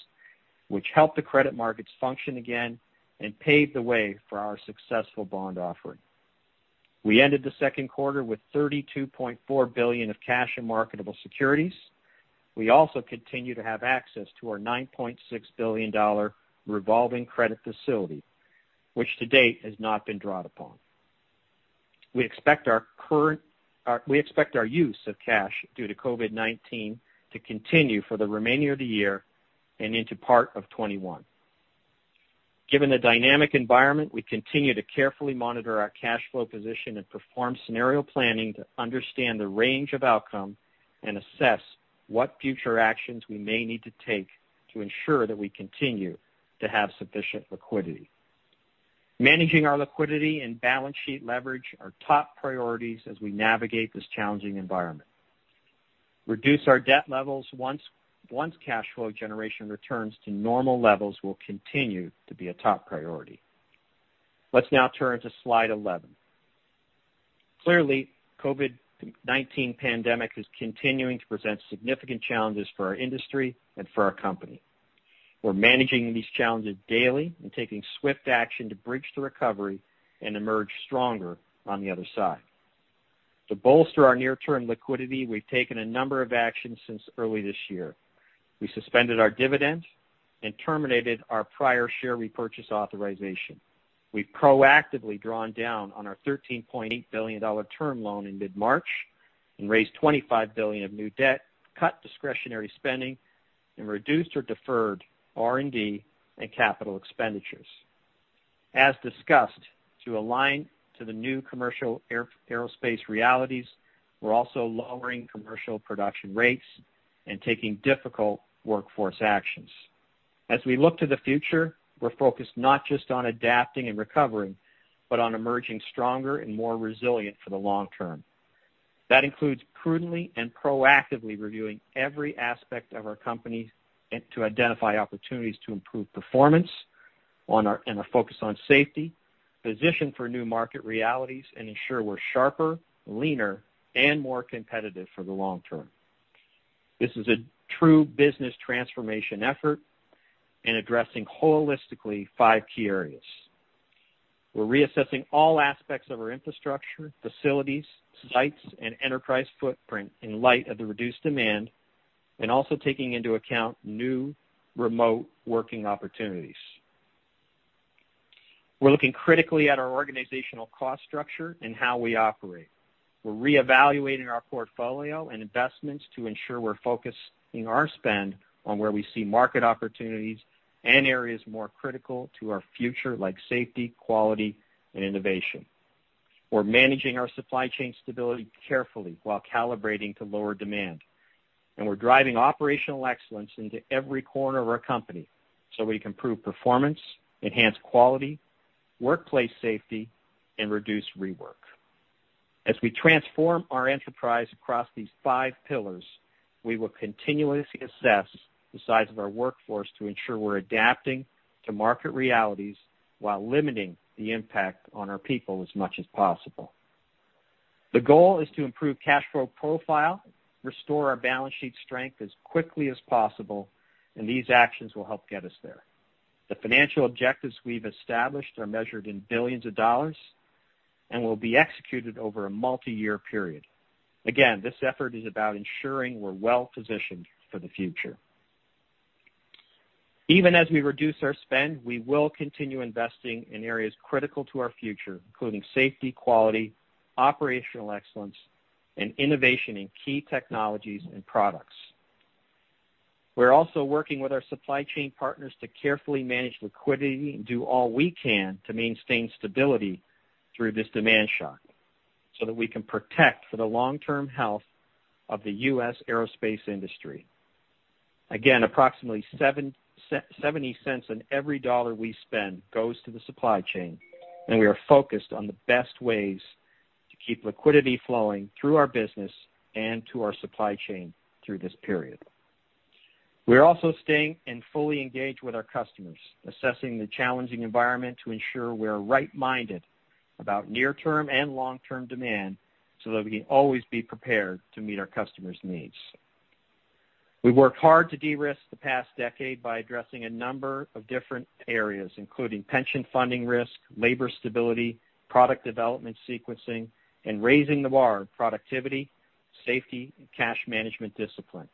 which helped the credit markets function again and paved the way for our successful bond offering. We ended the Q2 with $32.4 billion of cash and marketable securities. We also continue to have access to our $9.6 billion revolving credit facility, which to date has not been drawn upon. We expect our use of cash due to COVID-19 to continue for the remainder of the year and into part of 2021. Given the dynamic environment, we continue to carefully monitor our cash flow position and perform scenario planning to understand the range of outcome and assess what future actions we may need to take to ensure that we continue to have sufficient liquidity. Managing our liquidity and balance sheet leverage are top priorities as we navigate this challenging environment. Reduce our debt levels once cash flow generation returns to normal levels will continue to be a top priority. Let's now turn to slide 11. Clearly, COVID-19 pandemic is continuing to present significant challenges for our industry and for our company. We're managing these challenges daily and taking swift action to bridge the recovery and emerge stronger on the other side. To bolster our near-term liquidity, we've taken a number of actions since early this year. We suspended our dividend and terminated our prior share repurchase authorization. We've proactively drawn down on our $13.8 billion term loan in mid-March and raised $25 billion of new debt, cut discretionary spending, and reduced or deferred R&D and capital expenditures. As discussed, to align to the new commercial aerospace realities, we're also lowering commercial production rates and taking difficult workforce actions. As we look to the future, we're focused not just on adapting and recovering, but on emerging stronger and more resilient for the long term. That includes prudently and proactively reviewing every aspect of our company to identify opportunities to improve performance and a focus on safety, position for new market realities, and ensure we're sharper, leaner, and more competitive for the long term. This is a true business transformation effort in addressing holistically five key areas. We're reassessing all aspects of our infrastructure, facilities, sites, and enterprise footprint in light of the reduced demand, and also taking into account new remote working opportunities. We're looking critically at our organizational cost structure and how we operate. We're reevaluating our portfolio and investments to ensure we're focusing our spend on where we see market opportunities and areas more critical to our future, like safety, quality, and innovation. We're managing our supply chain stability carefully while calibrating to lower demand. We're driving operational excellence into every corner of our company so we can improve performance, enhance quality, workplace safety, and reduce rework. As we transform our enterprise across these five pillars, we will continuously assess the size of our workforce to ensure we're adapting to market realities while limiting the impact on our people as much as possible. The goal is to improve cash flow profile, restore our balance sheet strength as quickly as possible, and these actions will help get us there. The financial objectives we've established are measured in billions of dollars and will be executed over a multi-year period. Again, this effort is about ensuring we're well-positioned for the future. Even as we reduce our spend, we will continue investing in areas critical to our future, including safety, quality, operational excellence, and innovation in key technologies and products. We're also working with our supply chain partners to carefully manage liquidity and do all we can to maintain stability through this demand shock so that we can protect for the long-term health of the U.S. aerospace industry. Approximately $0.70 on every dollar we spend goes to the supply chain, and we are focused on the best ways to keep liquidity flowing through our business and to our supply chain through this period. We're also staying and fully engaged with our customers, assessing the challenging environment to ensure we're right-minded about near-term and long-term demand so that we can always be prepared to meet our customers' needs. We've worked hard to de-risk the past decade by addressing a number of different areas, including pension funding risk, labor stability, product development sequencing, and raising the bar on productivity, safety, and cash management discipline.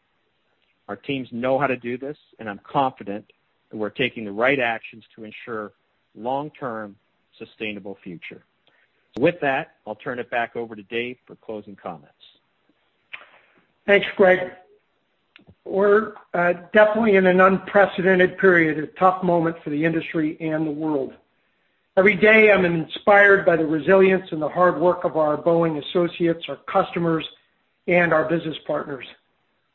Our teams know how to do this, and I'm confident that we're taking the right actions to ensure long-term sustainable future. With that, I'll turn it back over to David for closing comments. Thanks, Greg. We're definitely in an unprecedented period, a tough moment for the industry and the world. Every day, I'm inspired by the resilience and the hard work of our Boeing associates, our customers, and our business partners.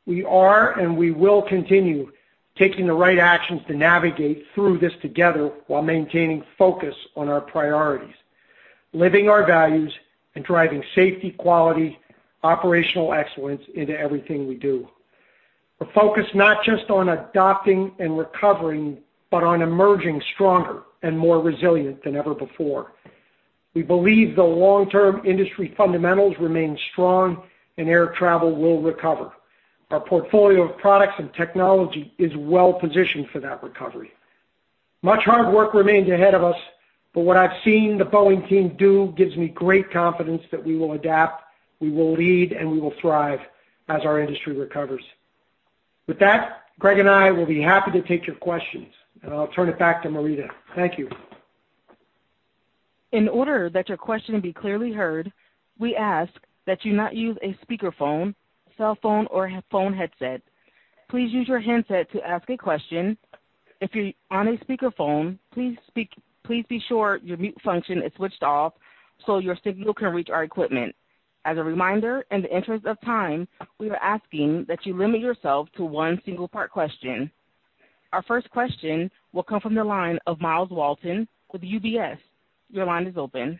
We are, and we will continue taking the right actions to navigate through this together while maintaining focus on our priorities, living our values, and driving safety, quality, operational excellence into everything we do. A focus not just on adopting and recovering, but on emerging stronger and more resilient than ever before. We believe the long-term industry fundamentals remain strong and air travel will recover. Our portfolio of products and technology is well-positioned for that recovery. Much hard work remains ahead of us, but what I've seen the Boeing team do gives me great confidence that we will adapt, we will lead, and we will thrive as our industry recovers. With that, Greg and I will be happy to take your questions. I'll turn it back to Maurita. Thank you. In order that your question be clearly heard, we ask that you not use a speakerphone, cell phone, or phone headset. Please use your handset to ask a question. If you're on a speakerphone, please be sure your mute function is switched off so your signal can reach our equipment. As a reminder, in the interest of time, we are asking that you limit yourself to one single part question. Our first question will come from the line of Myles Walton with UBS. Your line is open.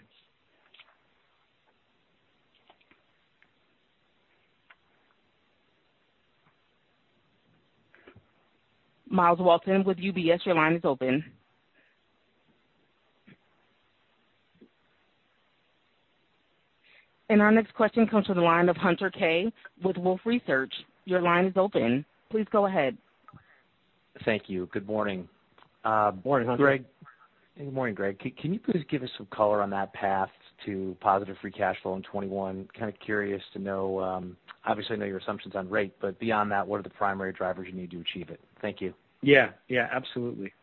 Myles Walton with UBS, your line is open. And our next question comes from the line of Hunter Keay with Wolfe Research. Your line is open. Please go ahead. Thank you. Good morning. Morning, Hunter. Greg. Good morning, Greg. Can you please give us some color on that path to positive free cash flow in 2021? Kind of curious to know. Obviously, I know your assumptions on rate, but beyond that, what are the primary drivers you need to achieve it? Thank you. Yeah, absolutely.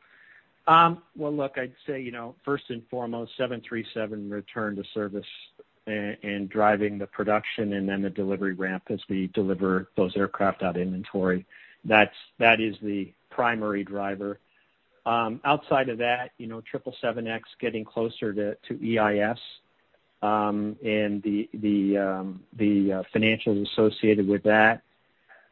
Well, look, I'd say, first and foremost, 737 return to service and driving the production and then the delivery ramp as we deliver those aircraft out of inventory. That is the primary driver. Outside of that, 777X getting closer to EIS, and the financials associated with that.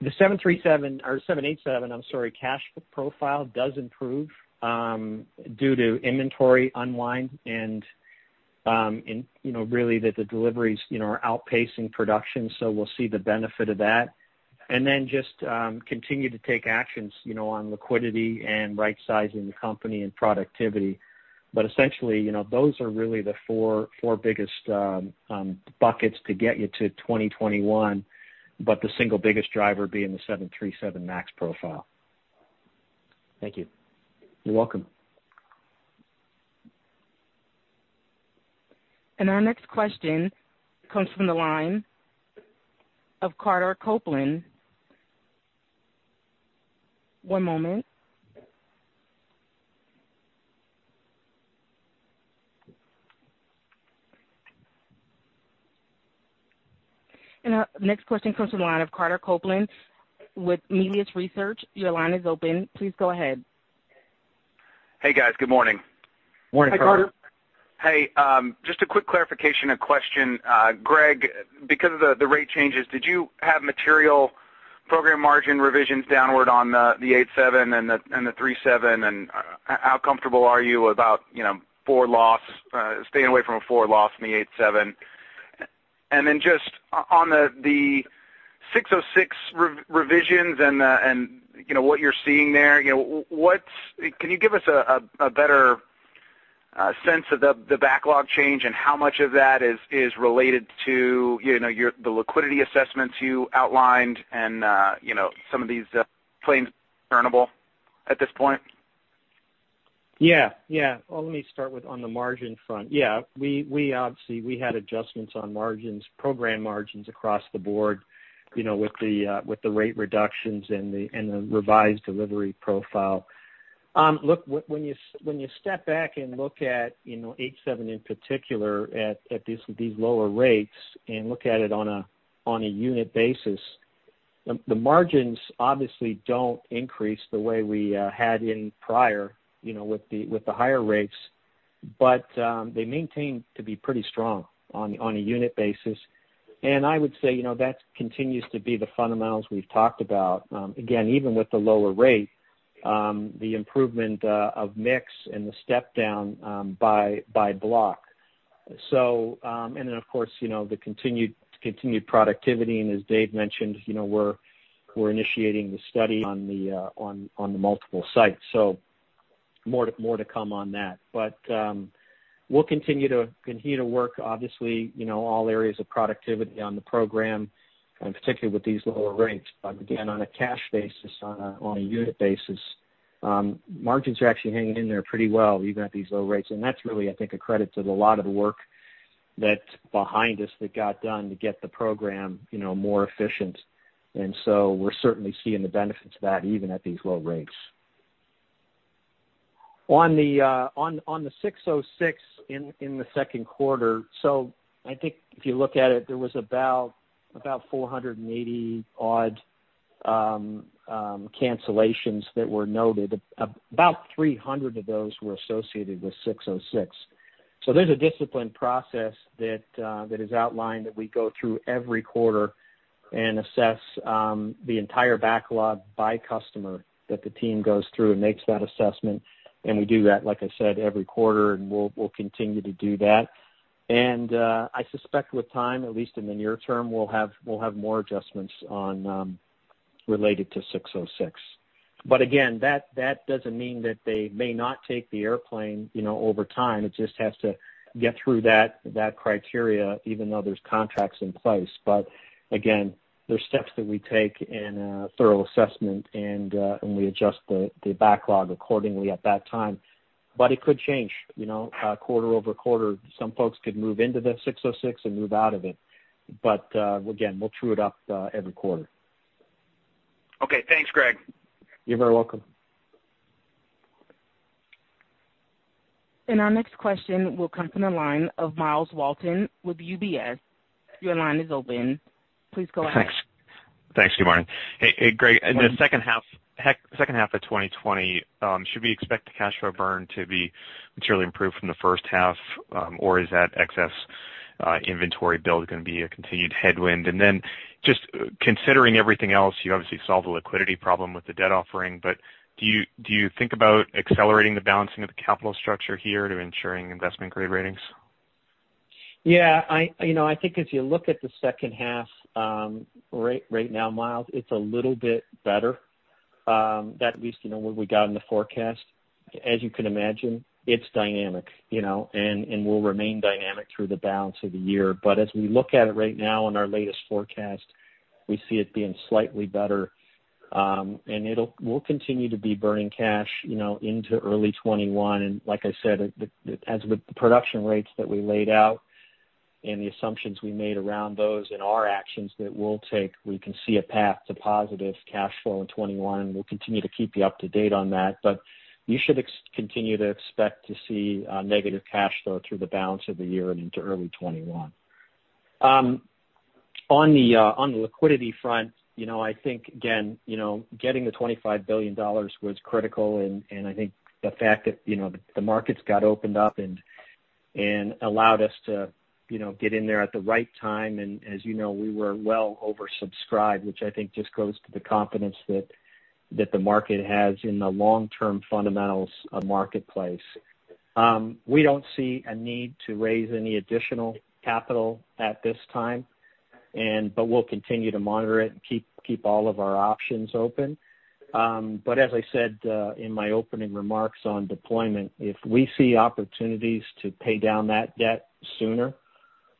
The 787, I'm sorry, cash profile does improve due to inventory unwind and really the deliveries are outpacing production, so we'll see the benefit of that. Just continue to take actions on liquidity and rightsizing the company and productivity. Essentially, those are really the four biggest buckets to get you to 2021, but the single biggest driver being the 737 MAX profile. Thank you. You're welcome. And our next question comes from the line of Carter Copeland. One moment. Our next question comes from the line of Carter Copeland with Melius Research, your line is open. Please go ahead. Hey, guys. Good morning. Morning, Carter. Hey, Carter. Hey, just a quick clarification and question. Greg, because of the rate changes, did you have material program margin revisions downward on the 87 and the 37, and how comfortable are you about staying away from a forward loss in the 87? Just on the 606 revisions and what you're seeing there, can you give us a better sense of the backlog change and how much of that is related to the liquidity assessments you outlined and some of these planes returnable at this point? Yeah, let me start with on the margin front. Yeah, we obviously, we had adjustments on program margins across the board, with the rate reductions and the revised delivery profile. When you step back and look at 87 in particular at these lower rates and look at it on a unit basis, the margins obviously don't increase the way we had in prior, with the higher rates. But they maintain to be pretty strong on a unit basis. I would say, that continues to be the fundamentals we've talked about. Again, even with the lower rate, the improvement of mix and the step down by block. So, and of course, the continued productivity, and as David mentioned, we're initiating the study on the multiple sites. So more to come on that. But we'll continue to work, obviously, all areas of productivity on the program, and particularly with these lower rates. Again, on a cash basis, on a unit basis, margins are actually hanging in there pretty well, even at these low rates. That's really, I think, a credit to a lot of the work that's behind us that got done to get the program more efficient. And so we're certainly seeing the benefits of that, even at these low rates. On the ASC 606 in the Q2, so I think if you look at it, there was about 480 odd cancellations that were noted. About 300 of those were associated with ASC 606. There's a disciplined process that is outlined that we go through every quarter and assess the entire backlog by customer, that the team goes through and makes that assessment. We do that, like I said, every quarter, and we'll continue to do that. And I suspect with time, at least in the near term, we'll have more adjustments related to 606. But again, that doesn't mean that they may not take the airplane over time. It just has to get through that criteria even though there's contracts in place. Again, there's steps that we take and a thorough assessment, and we adjust the backlog accordingly at that time. But it could change. Quarter-over-quarter, some folks could move into the 606 and move out of it. Again, we'll true it up every quarter. Okay. Thanks, Greg. You're very welcome. And our next question will come from the line of Myles Walton with UBS. Your line is open. Please go ahead. Thanks. Thanks, Damaris. Hey, Greg. Miles. In the second half of 2020, should we expect the cash flow burn to be materially improved from the H1? Is that excess inventory build going to be a continued headwind? Just considering everything else, you obviously solved the liquidity problem with the debt offering, but do you think about accelerating the balancing of the capital structure here to ensuring investment-grade ratings? Yeah. I think as you look at the H2 right now, Myles, it's a little bit better, at least where we got in the forecast. As you can imagine, it's dynamic, and will remain dynamic through the balance of the year. As we look at it right now in our latest forecast, we see it being slightly better. We'll continue to be burning cash into early 2021. Like I said, as with the production rates that we laid out and the assumptions we made around those and our actions that we'll take, we can see a path to positive cash flow in 2021. We'll continue to keep you up to date on that. You should continue to expect to see negative cash flow through the balance of the year and into early 2021. On the liquidity front, I think, again, getting the $25 billion was critical. I think the fact that the markets got opened up and allowed us to get in there at the right time, and as you know, we were well oversubscribed, which I think just goes to the confidence that the market has in the long-term fundamentals of the marketplace. We don't see a need to raise any additional capital at this time, but we'll continue to monitor it and keep all of our options open. As I said in my opening remarks on deployment, if we see opportunities to pay down that debt sooner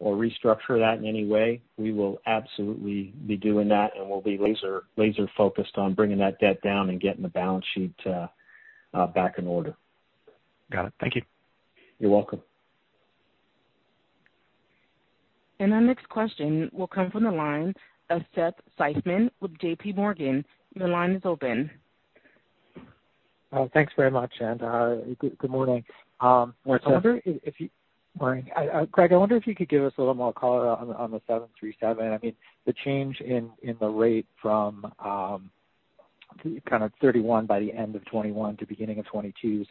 or restructure that in any way, we will absolutely be doing that. We'll be laser-focused on bringing that debt down and getting the balance sheet back in order. Got it. Thank you. You're welcome. Our next question will come from the line of Seth Seifman with J.P. Morgan. Your line is open. Thanks very much, and good morning. Morning, Seth. Greg, I wonder if you could give us a little more color on the 737. The change in the rate from 31 by the end of 2021 to beginning of 2022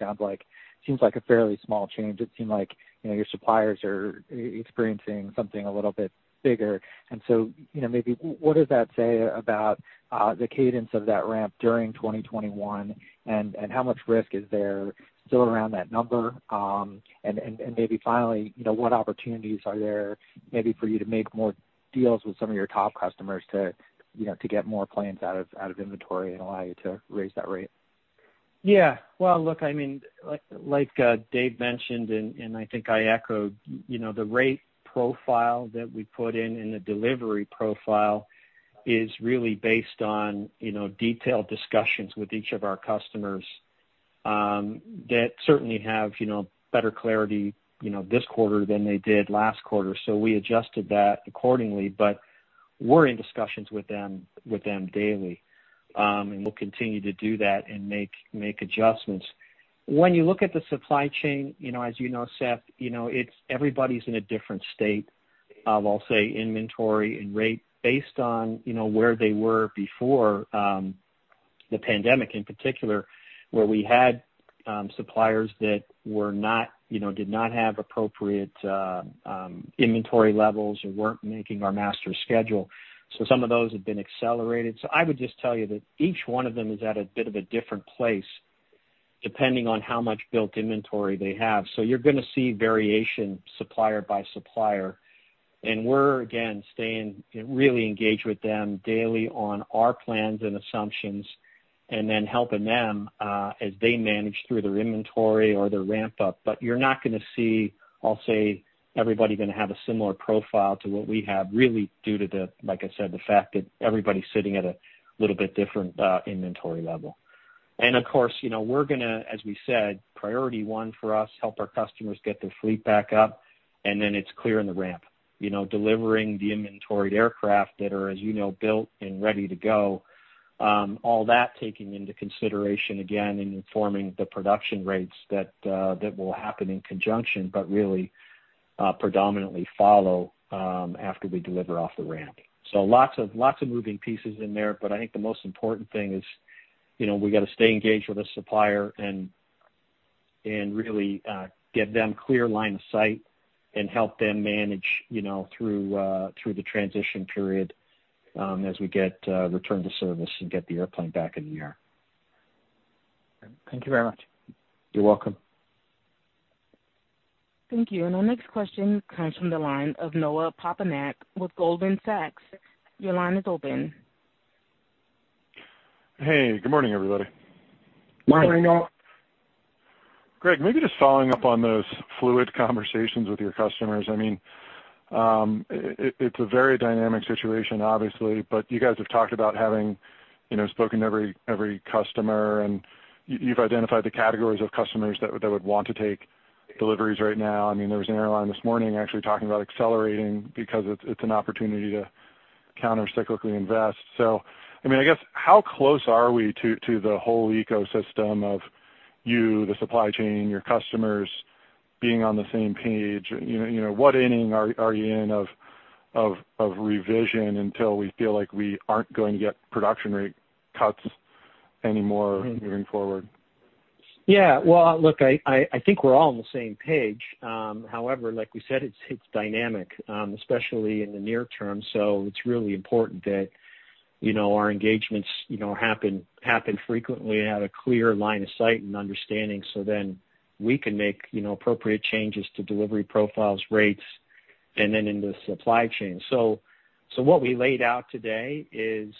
seems like a fairly small change. It seemed like your suppliers are experiencing something a little bit bigger. So maybe what does that say about the cadence of that ramp during 2021, and how much risk is there still around that number? Maybe finally, what opportunities are there maybe for you to make more deals with some of your top customers to get more planes out of inventory and allow you to raise that rate? Yeah. Well, look, like David mentioned, and I think I echoed, the rate profile that we put in and the delivery profile is really based on detailed discussions with each of our customers that certainly have better clarity this quarter than they did last quarter. We adjusted that accordingly. We're in discussions with them daily, and we'll continue to do that and make adjustments. When you look at the supply chain, as you know, Seth, everybody's in a different state of, I'll say, inventory and rate based on where they were before the pandemic, in particular, where we had suppliers that did not have appropriate inventory levels or weren't making our master schedule. Some of those have been accelerated. I would just tell you that each one of them is at a bit of a different place depending on how much built inventory they have. You're going to see variation supplier by supplier. We're, again, staying really engaged with them daily on our plans and assumptions, and then helping them as they manage through their inventory or their ramp-up. You're not going to see, I'll say, everybody going to have a similar profile to what we have, really due to the, like I said, the fact that everybody's sitting at a little bit different inventory level. And of course, we're going to, as we said, priority one for us, help our customers get their fleet back up, and then it's clearing the ramp. Delivering the inventoried aircraft that are, as you know, built and ready to go. All that taking into consideration, again, in informing the production rates that will happen in conjunction, but really predominantly follow after we deliver off the ramp. Lots of moving pieces in there, but I think the most important thing is we got to stay engaged with the supplier and really give them clear line of sight and help them manage through the transition period as we get return to service and get the airplane back in the air. Thank you very much. You're welcome. Thank you. Our next question comes from the line of Noah Poponak with Goldman Sachs. Your line is open. Hey, good morning, everybody. Morning, Noah. Greg, maybe just following up on those fluid conversations with your customers. It's a very dynamic situation, obviously, but you guys have talked about having spoken to every customer, and you've identified the categories of customers that would want to take deliveries right now. There was an airline this morning actually talking about accelerating because it's an opportunity to countercyclically invest. I guess, how close are we to the whole ecosystem of you, the supply chain, your customers being on the same page? What inning are you in of revision until we feel like we aren't going to get production rate cuts anymore moving forward? Yeah. Well, look, I think we're all on the same page. However, like we said, it's dynamic, especially in the near term. It's really important that our engagements happen frequently at a clear line of sight and understanding, so then we can make appropriate changes to delivery profiles, rates, and then in the supply chain. What we laid out today is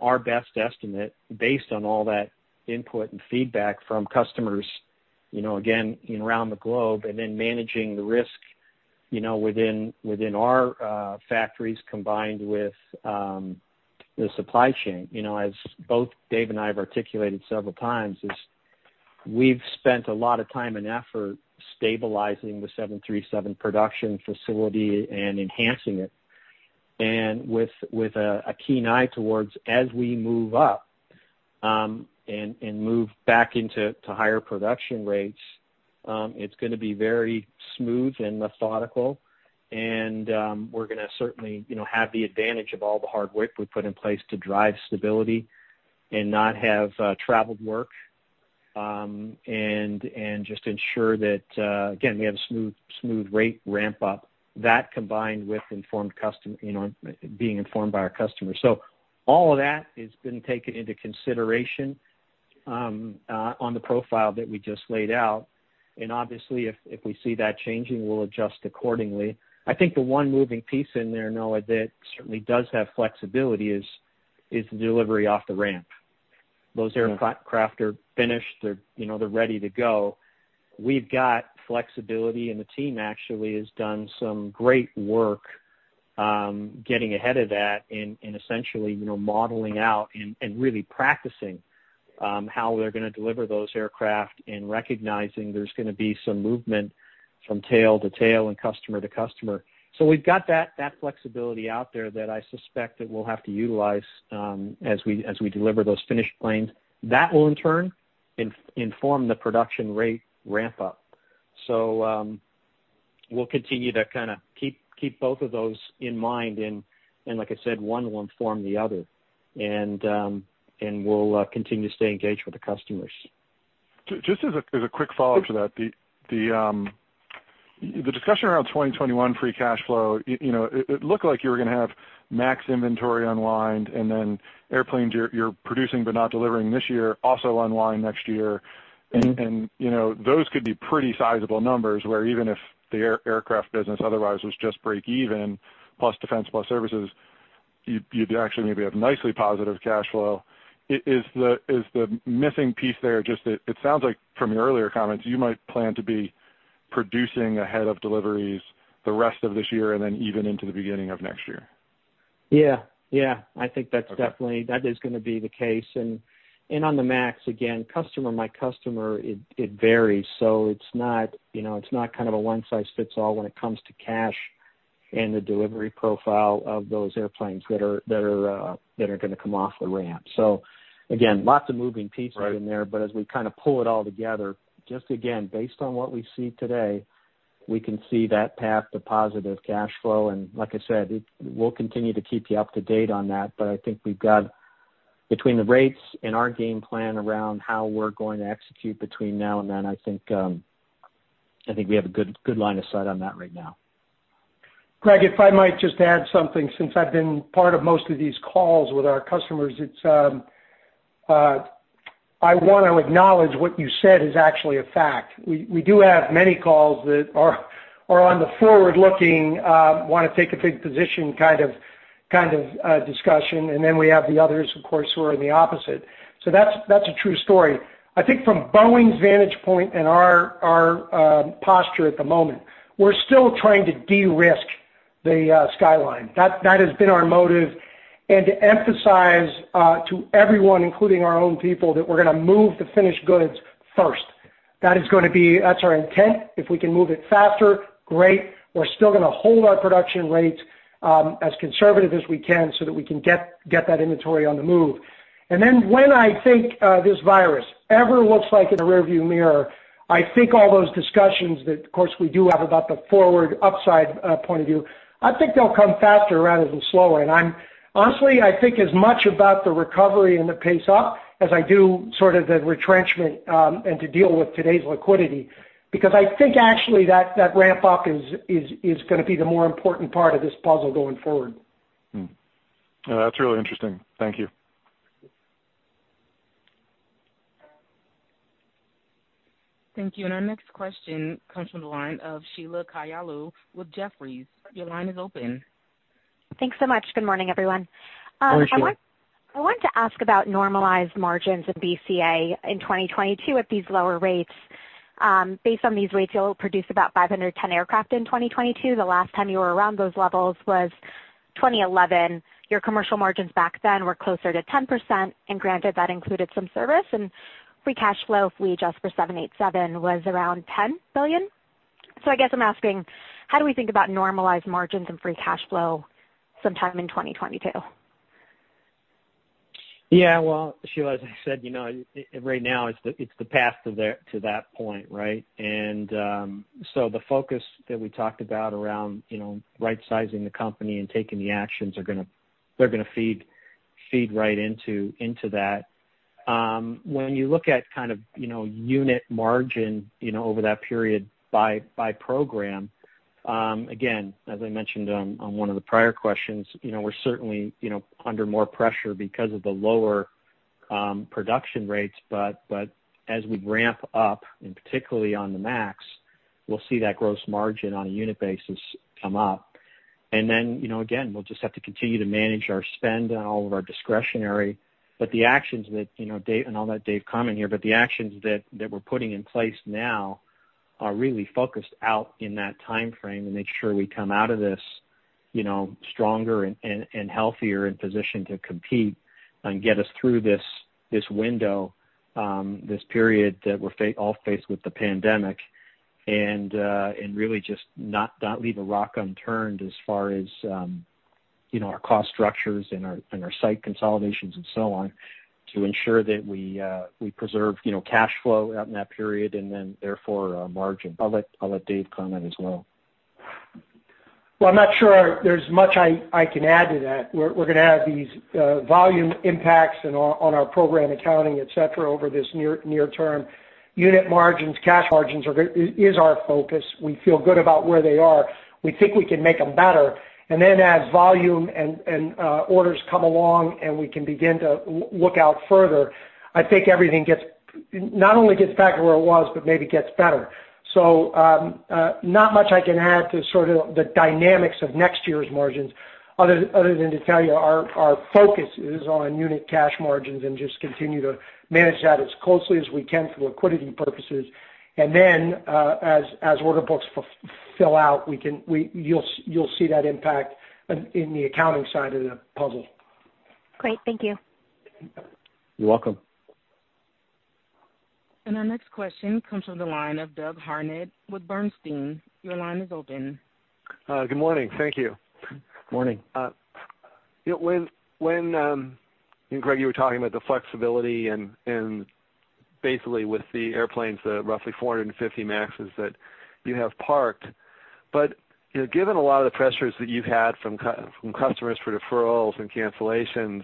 our best estimate based on all that input and feedback from customers, again, around the globe, and then managing the risk within our factories combined with the supply chain. As both David and I have articulated several times is we've spent a lot of time and effort stabilizing the 737 production facility and enhancing it. With a keen eye towards, as we move up and move back into higher production rates, it's going to be very smooth and methodical. We're going to certainly have the advantage of all the hard work we put in place to drive stability and not have traveled work, and just ensure that, again, we have a smooth rate ramp up. That combined with being informed by our customers. All of that has been taken into consideration on the profile that we just laid out. Obviously, if we see that changing, we'll adjust accordingly. I think the one moving piece in there, Noah, that certainly does have flexibility is the delivery off the ramp. Those aircraft are finished. They're ready to go. We've got flexibility, and the team actually has done some great work getting ahead of that and essentially modeling out and really practicing how they're going to deliver those aircraft and recognizing there's going to be some movement from tail to tail and customer to customer. We've got that flexibility out there that I suspect that we'll have to utilize as we deliver those finished planes. That will in turn inform the production rate ramp up. We'll continue to kind of keep both of those in mind and like I said, one will inform the other. We'll continue to stay engaged with the customers. Just as a quick follow-up to that, the discussion around 2021 free cash flow, it looked like you were going to have MAX inventory unwind and then airplanes you're producing but not delivering this year also unwind next year. Those could be pretty sizable numbers, where even if the aircraft business otherwise was just break-even, plus Defense, plus Services, you'd actually maybe have nicely positive cash flow. Is the missing piece there just that it sounds like from your earlier comments, you might plan to be producing ahead of deliveries the rest of this year and then even into the beginning of next year. Yeah. I think that's definitely going to be the case. On the MAX, again, customer by customer, it varies. It's not kind of a one-size-fits-all when it comes to cash and the delivery profile of those airplanes that are going to come off the ramp. Again, lots of moving pieces in there. As we kind of pull it all together, just again, based on what we see today, we can see that path to positive cash flow. Like I said, we'll continue to keep you up to date on that. I think we've got between the rates and our game plan around how we're going to execute between now and then, I think we have a good line of sight on that right now. Greg, if I might just add something, since I've been part of most of these calls with our customers, I want to acknowledge what you said is actually a fact. We do have many calls that are on the forward-looking, want to take a big position kind of discussion. Then we have the others, of course, who are in the opposite. That's a true story. I think from Boeing's vantage point and our posture at the moment, we're still trying to de-risk the skyline. That has been our motive. To emphasize to everyone, including our own people, that we're going to move the finished goods first. That's our intent. If we can move it faster, great. We're still going to hold our production rates as conservative as we can so that we can get that inventory on the move. Then when I think this virus ever looks like in a rearview mirror, I think all those discussions that of course we do have about the forward upside point of view, I think they'll come faster rather than slower. Honestly, I think as much about the recovery and the pace up as I do sort of the retrenchment and to deal with today's liquidity. I think actually that ramp-up is going to be the more important part of this puzzle going forward. That's really interesting. Thank you. Thank you. Our next question comes from the line of Sheila Kahyaoglu with Jefferies. Your line is open. Thanks so much. Good morning, everyone. Morning, Sheila. I want to ask about normalized margins in BCA in 2022 at these lower rates. Based on these rates, you'll produce about 510 aircraft in 2022. The last time you were around those levels was 2011. Granted, that included some service and free cash flow if we adjust for 787 was around $10 billion. I guess I'm asking, how do we think about normalized margins and free cash flow sometime in 2022? Yeah. Well, Sheila, as I said, right now it's the path to that point, right? And so the focus that we talked about around right-sizing the company and taking the actions, they're going to feed right into that. When you look at unit margin over that period by program, again, as I mentioned on one of the prior questions, we're certainly under more pressure because of the lower production rates, but as we ramp up, and particularly on the MAX, we'll see that gross margin on a unit basis come up. Again, we'll just have to continue to manage our spend on all of our discretionary. I'll let Dave comment here, but the actions that we're putting in place now are really focused out in that time frame to make sure we come out of this stronger and healthier in position to compete and get us through this window, this period that we're all faced with the pandemic and really just not leave a rock unturned as far as our cost structures and our site consolidations and so on to ensure that we preserve cash flow out in that period and then therefore our margin. I'll let David comment as well. Well, I'm not sure there's much I can add to that. We're going to have these volume impacts on our program accounting, et cetera, over this near term. Unit margins, cash margins is our focus. We feel good about where they are. We think we can make them better. As volume and orders come along and we can begin to look out further, I think everything not only gets back to where it was, but maybe gets better. Not much I can add to sort of the dynamics of next year's margins other than to tell you our focus is on unit cash margins and just continue to manage that as closely as we can for liquidity purposes. And then as order books fill out you'll see that impact in the accounting side of the puzzle. Great. Thank you. You're welcome. Our next question comes from the line of Doug Harned with Bernstein. Your line is open. Good morning. Thank you. Morning. Greg, you were talking about the flexibility and basically with the airplanes, the roughly 450 MAXs that you have parked. But given a lot of the pressures that you've had from customers for deferrals and cancellations,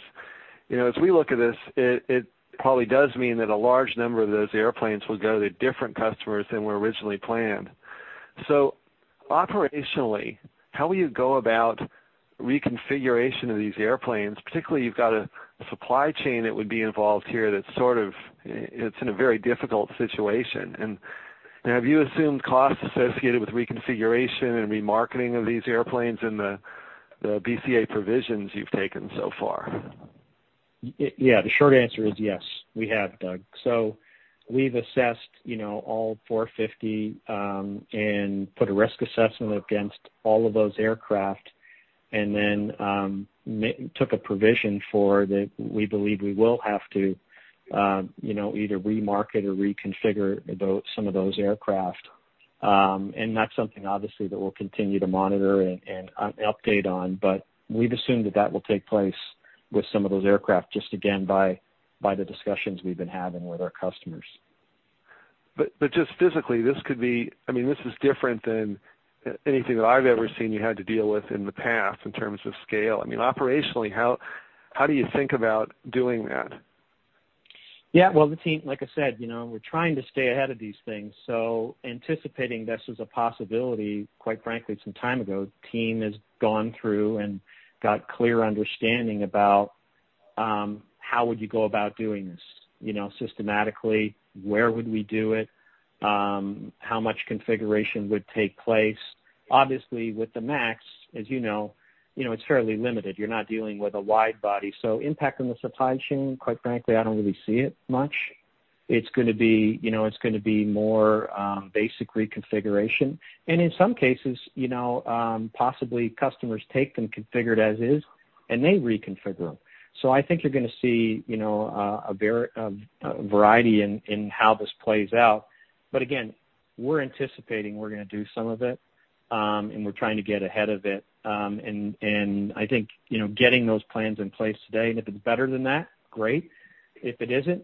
as we look at this, it probably does mean that a large number of those airplanes will go to different customers than were originally planned. So operationally, how will you go about reconfiguration of these airplanes, particularly you've got a supply chain that would be involved here that's sort of in a very difficult situation. Have you assumed costs associated with reconfiguration and remarketing of these airplanes in the BCA provisions you've taken so far? The short answer is yes. We have, Doug. We've assessed all 450, and put a risk assessment against all of those aircraft and then took a provision for that we believe we will have to either remarket or reconfigure some of those aircraft. That's something obviously that we'll continue to monitor and update on. We've assumed that that will take place with some of those aircraft just again, by the discussions we've been having with our customers. Just physically, this is different than anything that I've ever seen you had to deal with in the past in terms of scale. Operationally, how do you think about doing that? Yeah. Well, the team, like I said, we're trying to stay ahead of these things. Anticipating this as a possibility, quite frankly, some time ago, team has gone through and got clear understanding about how would you go about doing this systematically, where would we do it? How much configuration would take place? Obviously with the MAX, as you know, it's fairly limited. You're not dealing with a wide body. Impact on the supply chain, quite frankly, I don't really see it much. It's going to be more basic reconfiguration. In some cases, possibly customers take them configured as is, and they reconfigure them. I think you're going to see a variety in how this plays out. Again, we're anticipating we're going to do some of it. We're trying to get ahead of it. I think getting those plans in place today, and if it's better than that, great. If it isn't,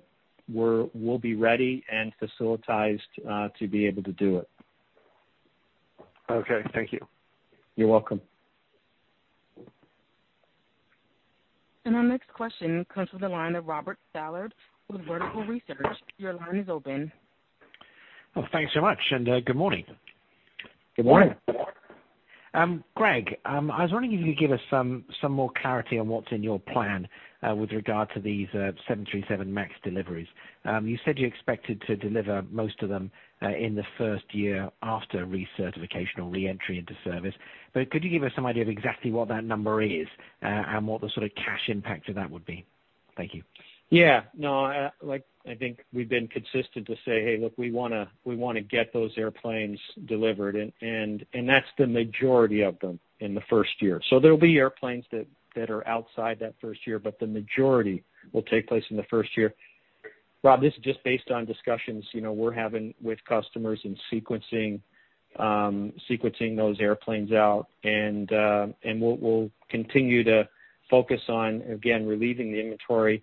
we'll be ready and facilitized to be able to do it. Okay. Thank you. You're welcome. Our next question comes from the line of Robert Stallard with Vertical Research. Your line is open. Well, thanks so much, and good morning. Good morning. Greg, I was wondering if you could give us some more clarity on what's in your plan with regard to these 737 MAX deliveries. You said you expected to deliver most of them in the first year after recertification or reentry into service, but could you give us some idea of exactly what that number is, and what the sort of cash impact of that would be? Thank you. Yeah. No, I think we've been consistent to say, "Hey, look, we want to get those airplanes delivered." That's the majority of them in the first year. There'll be airplanes that are outside that first year, but the majority will take place in the first year. Rob, this is just based on discussions we're having with customers and sequencing those airplanes out, and we'll continue to focus on, again, relieving the inventory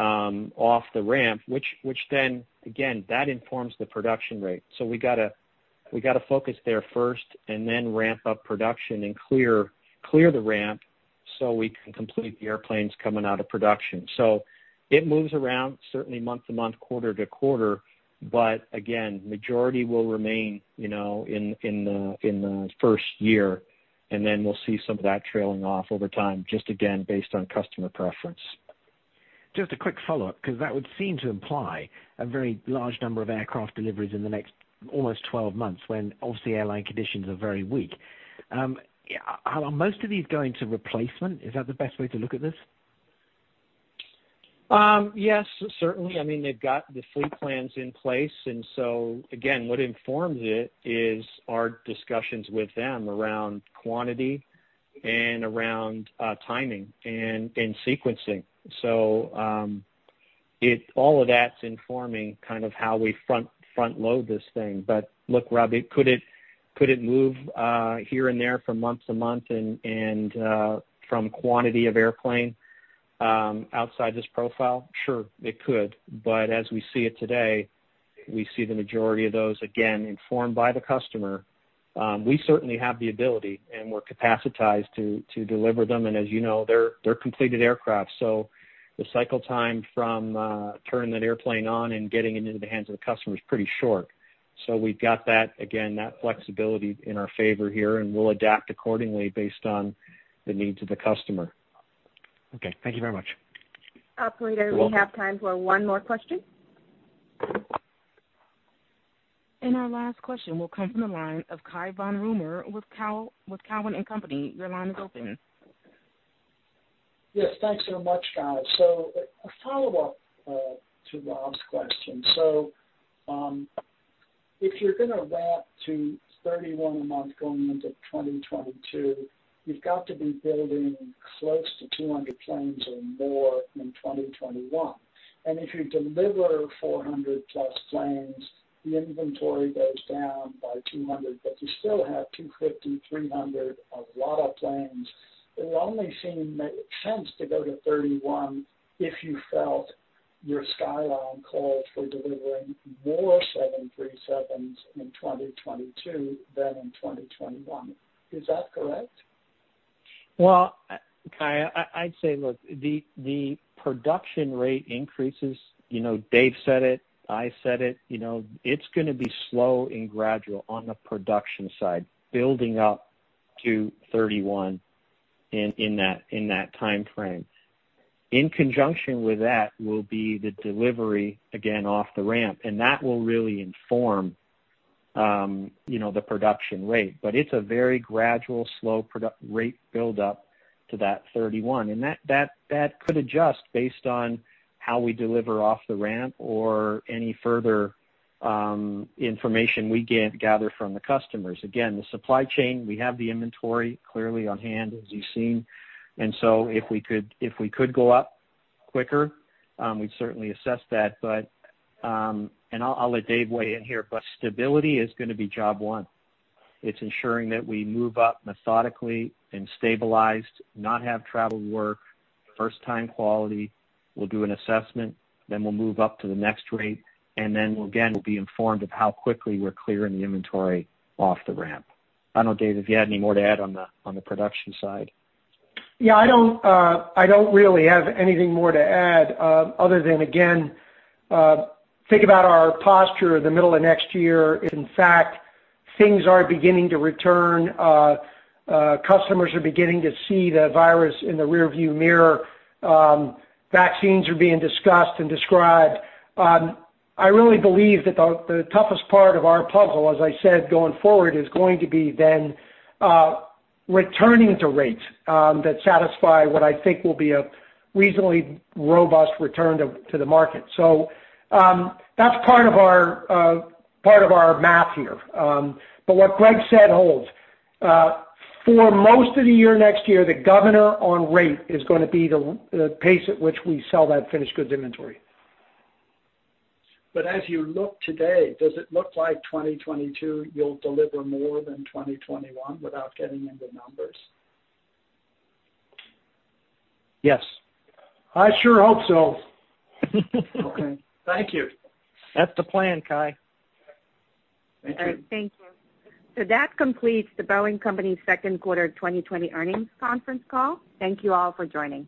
off the ramp, which then, again, that informs the production rate. We got to focus there first and then ramp up production and clear the ramp so we can complete the airplanes coming out of production. It moves around certainly month-to-month, quarter-to-quarter. Again, majority will remain in the first year, and then we'll see some of that trailing off over time, just again, based on customer preference. Just a quick follow-up, because that would seem to imply a very large number of aircraft deliveries in the next almost 12 months, when obviously airline conditions are very weak. Are most of these going to replacement? Is that the best way to look at this? Yes, certainly. They've got the fleet plans in place, again, what informs it is our discussions with them around quantity and around timing and sequencing. All of that's informing kind of how we front-load this thing. Look, Robert, could it move here and there from month to month and from quantity of airplane outside this profile? Sure, it could. As we see it today, we see the majority of those, again, informed by the customer. We certainly have the ability, and we're capacitized to deliver them, and as you know, they're completed aircraft, so the cycle time from turning that airplane on and getting it into the hands of the customer is pretty short. We've got that, again, that flexibility in our favor here, and we'll adapt accordingly based on the needs of the customer. Okay. Thank you very much. You're welcome. Operator, we have time for one more question. Our last question will come from the line of Cai von Rumohr with Cowen and Company. Your line is open. Yes, thanks so much, guys. A follow-up to Robert's question. If you're going to ramp to 31 a month going into 2022, you've got to be building close to 200 planes or more in 2021. If you deliver 400-plus planes, the inventory goes down by 200, but you still have 250, 300, a lot of planes. It would only seem to make sense to go to 31 if you felt your skyline called for delivering more 737s in 2022 than in 2021. Is that correct? Well, Cai, I'd say, look, the production rate increases. David said it. I said it. It's going to be slow and gradual on the production side, building up to 31 in that timeframe. In conjunction with that will be the delivery, again, off the ramp, and that will really inform the production rate. It's a very gradual, slow rate build-up to that 31. That could adjust based on how we deliver off the ramp or any further information we gather from the customers. Again, the supply chain, we have the inventory clearly on hand, as you've seen. If we could go up quicker, we'd certainly assess that. I'll let David weigh in here, but stability is going to be job one. It's ensuring that we move up methodically and stabilized, not have travel work, first time quality. We'll do an assessment, then we'll move up to the next rate, and then again, we'll be informed of how quickly we're clearing the inventory off the ramp. I don't know, David, if you had any more to add on the production side. Yeah, I don't really have anything more to add other than, again, think about our posture in the middle of next year. In fact, things are beginning to return. Customers are beginning to see the virus in the rearview mirror. Vaccines are being discussed and described. I really believe that the toughest part of our puzzle, as I said, going forward, is going to be then returning to rates that satisfy what I think will be a reasonably robust return to the market. That's part of our math here. What Greg said holds. For most of the year next year, the governor on rate is going to be the pace at which we sell that finished goods inventory. As you look today, does it look like 2022 you'll deliver more than 2021 without getting into numbers? Yes. I sure hope so. Okay. Thank you. That's the plan, Cai. Thank you. All right, thank you. That completes The Boeing Company's Q2 2020 earnings conference call. Thank you all for joining.